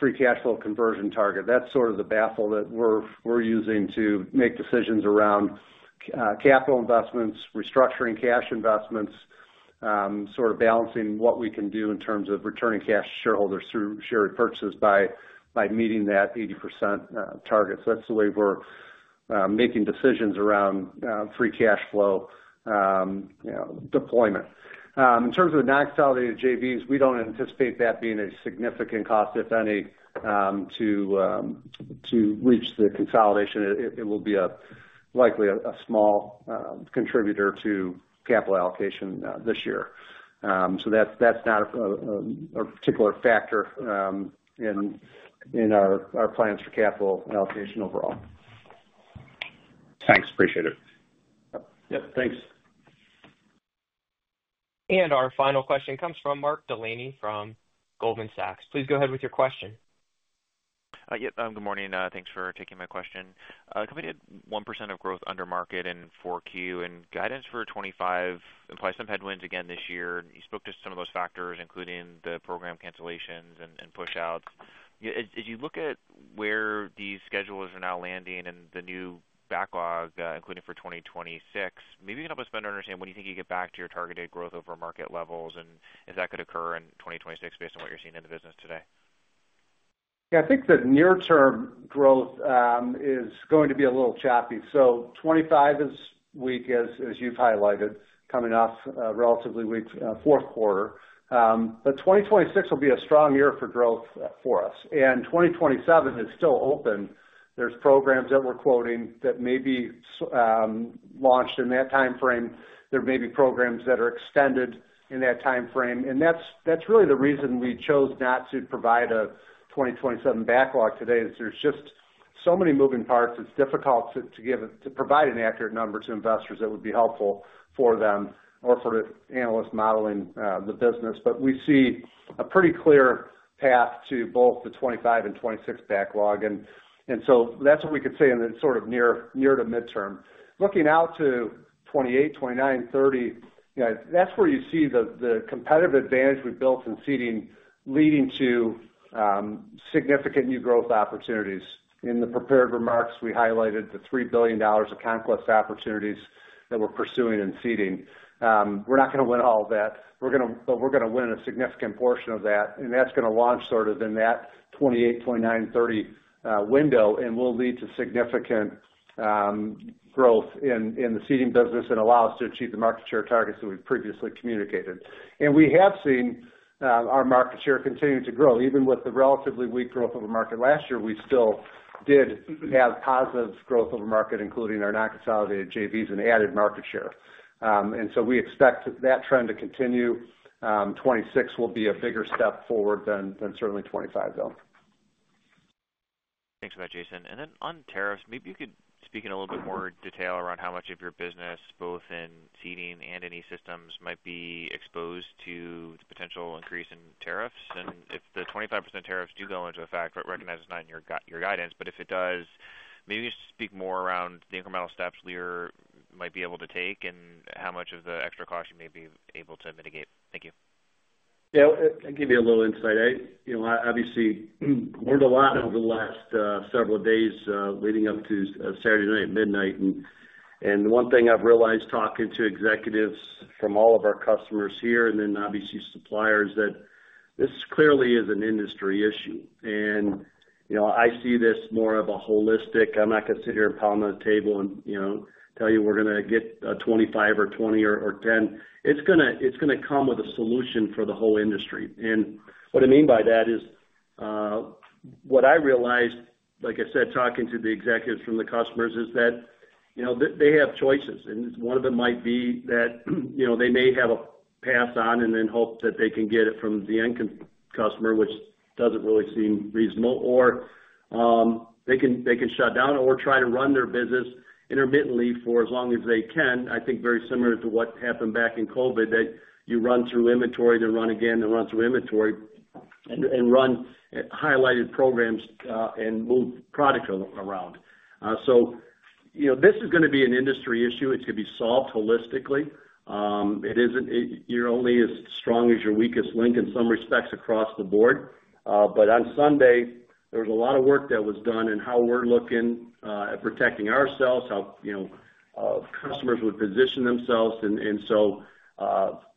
Speaker 4: free cash flow conversion target, that's sort of the bar that we're using to make decisions around capital investments, restructuring, cash investments, sort of balancing what we can do in terms of returning cash to shareholders through share purchases by meeting that 80% target. So that's the way we're making decisions around free cash flow deployment. In terms of the non-consolidated JVs, we don't anticipate that being a significant cost, if any, to reach the consolidation. It will be likely a small contributor to capital allocation this year. So that's not a particular factor in our plans for capital allocation overall.
Speaker 8: Thanks. Appreciate it.
Speaker 4: Yep. Thanks.
Speaker 1: And our final question comes from Mark Delaney from Goldman Sachs. Please go ahead with your question.
Speaker 9: Yep. Good morning. Thanks for taking my question. Company had 1% of growth under market in 4Q, and guidance for 2025 implies some headwinds again this year. You spoke to some of those factors, including the program cancellations and push-outs. As you look at where these schedules are now landing and the new backlog, including for 2026, maybe you can help us better understand when you think you get back to your targeted growth over market levels and if that could occur in 2026 based on what you're seeing in the business today.
Speaker 4: Yeah. I think that near-term growth is going to be a little choppy. So 2025 is weak, as you've highlighted, coming off relatively weak fourth quarter. But 2026 will be a strong year for growth for us. 2027 is still open. There's programs that we're quoting that may be launched in that timeframe. There may be programs that are extended in that timeframe. That's really the reason we chose not to provide a 2027 backlog today is there's just so many moving parts. It's difficult to provide an accurate number to investors that would be helpful for them or for analysts modeling the business. We see a pretty clear path to both the 2025 and 2026 backlog. That's what we could say in the sort of near to midterm. Looking out to 2028, 2029, 2030, that's where you see the competitive advantage we've built in Seating leading to significant new growth opportunities. In the prepared remarks, we highlighted the $3 billion of conquest opportunities that we're pursuing in Seating. We're not going to win all of that, but we're going to win a significant portion of that. And that's going to launch sort of in that 2028, 2029, 2030 window, and will lead to significant growth in the Seating business and allow us to achieve the market share targets that we've previously communicated. And we have seen our market share continue to grow. Even with the relatively weak growth of the market last year, we still did have positive growth of the market, including our non-consolidated JVs and added market share. And so we expect that trend to continue. 2026 will be a bigger step forward than certainly 2025, though.
Speaker 9: Thanks for that, Jason. And then on tariffs, maybe you could speak in a little bit more detail around how much of your business, both in Seating and in E-Systems, might be exposed to the potential increase in tariffs. If the 25% tariffs do go into effect, but recognize it's not in your guidance, but if it does, maybe you just speak more around the incremental steps you might be able to take and how much of the extra cost you may be able to mitigate. Thank you.
Speaker 4: Yeah. I'll give you a little insight. I obviously learned a lot over the last several days leading up to Saturday night at midnight. One thing I've realized talking to executives from all of our customers here and then obviously suppliers is that this clearly is an industry issue. I see this more of a holistic. I'm not going to sit here and pile on the table and tell you we're going to get a 25%, 20%, or 10%. It's going to come with a solution for the whole industry. And what I mean by that is what I realized, like I said, talking to the executives from the customers, is that they have choices. And one of them might be that they may have a pass-on and then hope that they can get it from the end customer, which doesn't really seem reasonable. Or they can shut down or try to run their business intermittently for as long as they can. I think very similar to what happened back in COVID, that you run through inventory, then run again, then run through inventory, and run highlighted programs and move product around. So this is going to be an industry issue. It's going to be solved holistically. You're only as strong as your weakest link in some respects across the board. But on Sunday, there was a lot of work that was done in how we're looking at protecting ourselves, how customers would position themselves. And so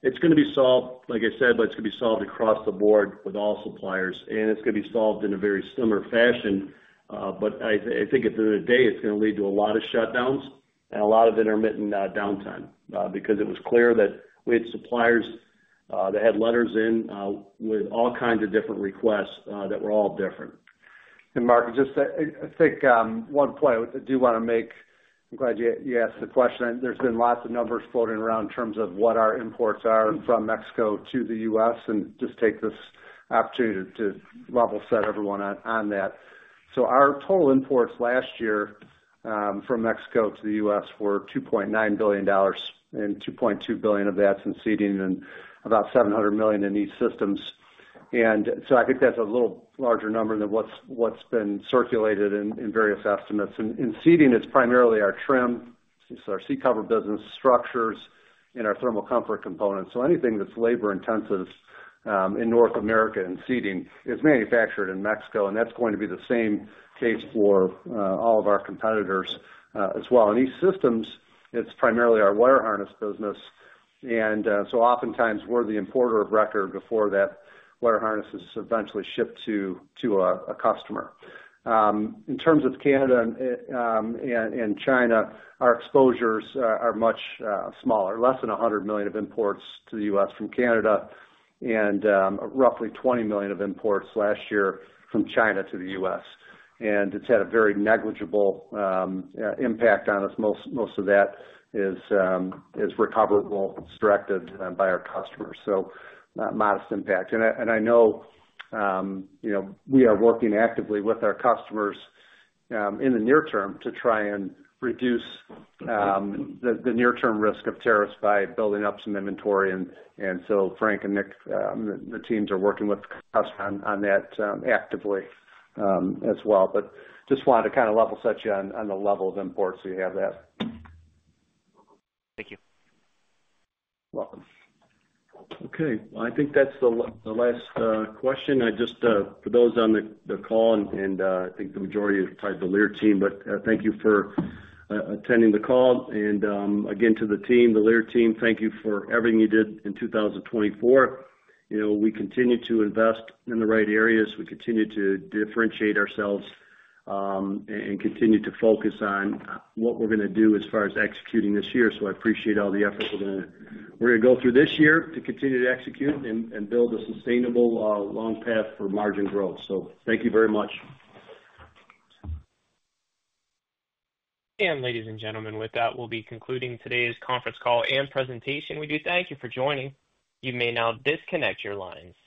Speaker 4: it's going to be solved, like I said, but it's going to be solved across the board with all suppliers. And it's going to be solved in a very similar fashion. But I think at the end of the day, it's going to lead to a lot of shutdowns and a lot of intermittent downtime because it was clear that we had suppliers that had letters in with all kinds of different requests that were all different.
Speaker 3: And Mark, just I think one point I do want to make. I'm glad you asked the question. There's been lots of numbers floating around in terms of what our imports are from Mexico to the U.S., and just take this opportunity to level set everyone on that, so our total imports last year from Mexico to the U.S. were $2.9 billion, and $2.2 billion of that's in Seating and about 700 million in E-Systems, and so I think that's a little larger number than what's been circulated in various estimates, and in Seating, it's primarily our trim, so our seat cover business structures, and our thermal comfort components, so anything that's labor-intensive in North America in Seating is manufactured in Mexico, and that's going to be the same case for all of our competitors as well. In E-Systems, it's primarily our wire harness business, and so oftentimes, we're the importer of record before that wire harness is eventually shipped to a customer. In terms of Canada and China, our exposures are much smaller, less than $100 million of imports to the U.S. from Canada and roughly $20 million of imports last year from China to the U.S. And it's had a very negligible impact on us. Most of that is recoverable, it's directed by our customers. So modest impact. And I know we are working actively with our customers in the near term to try and reduce the near-term risk of tariffs by building up some inventory. And so Frank and Nick, the teams, are working with customers on that actively as well. But just wanted to kind of level set you on the level of imports so you have that.
Speaker 9: Thank you.
Speaker 3: Welcome. Okay. Well, I think that's the last question. Just for those on the call, and I think the majority of the Lear team, but thank you for attending the call, and again to the team, the Lear team, thank you for everything you did in 2024. We continue to invest in the right areas. We continue to differentiate ourselves and continue to focus on what we're going to do as far as executing this year, so I appreciate all the efforts we're going to go through this year to continue to execute and build a sustainable long path for margin growth, so thank you very much,
Speaker 1: and ladies and gentlemen, with that, we'll be concluding today's conference call and presentation. We do thank you for joining. You may now disconnect your lines.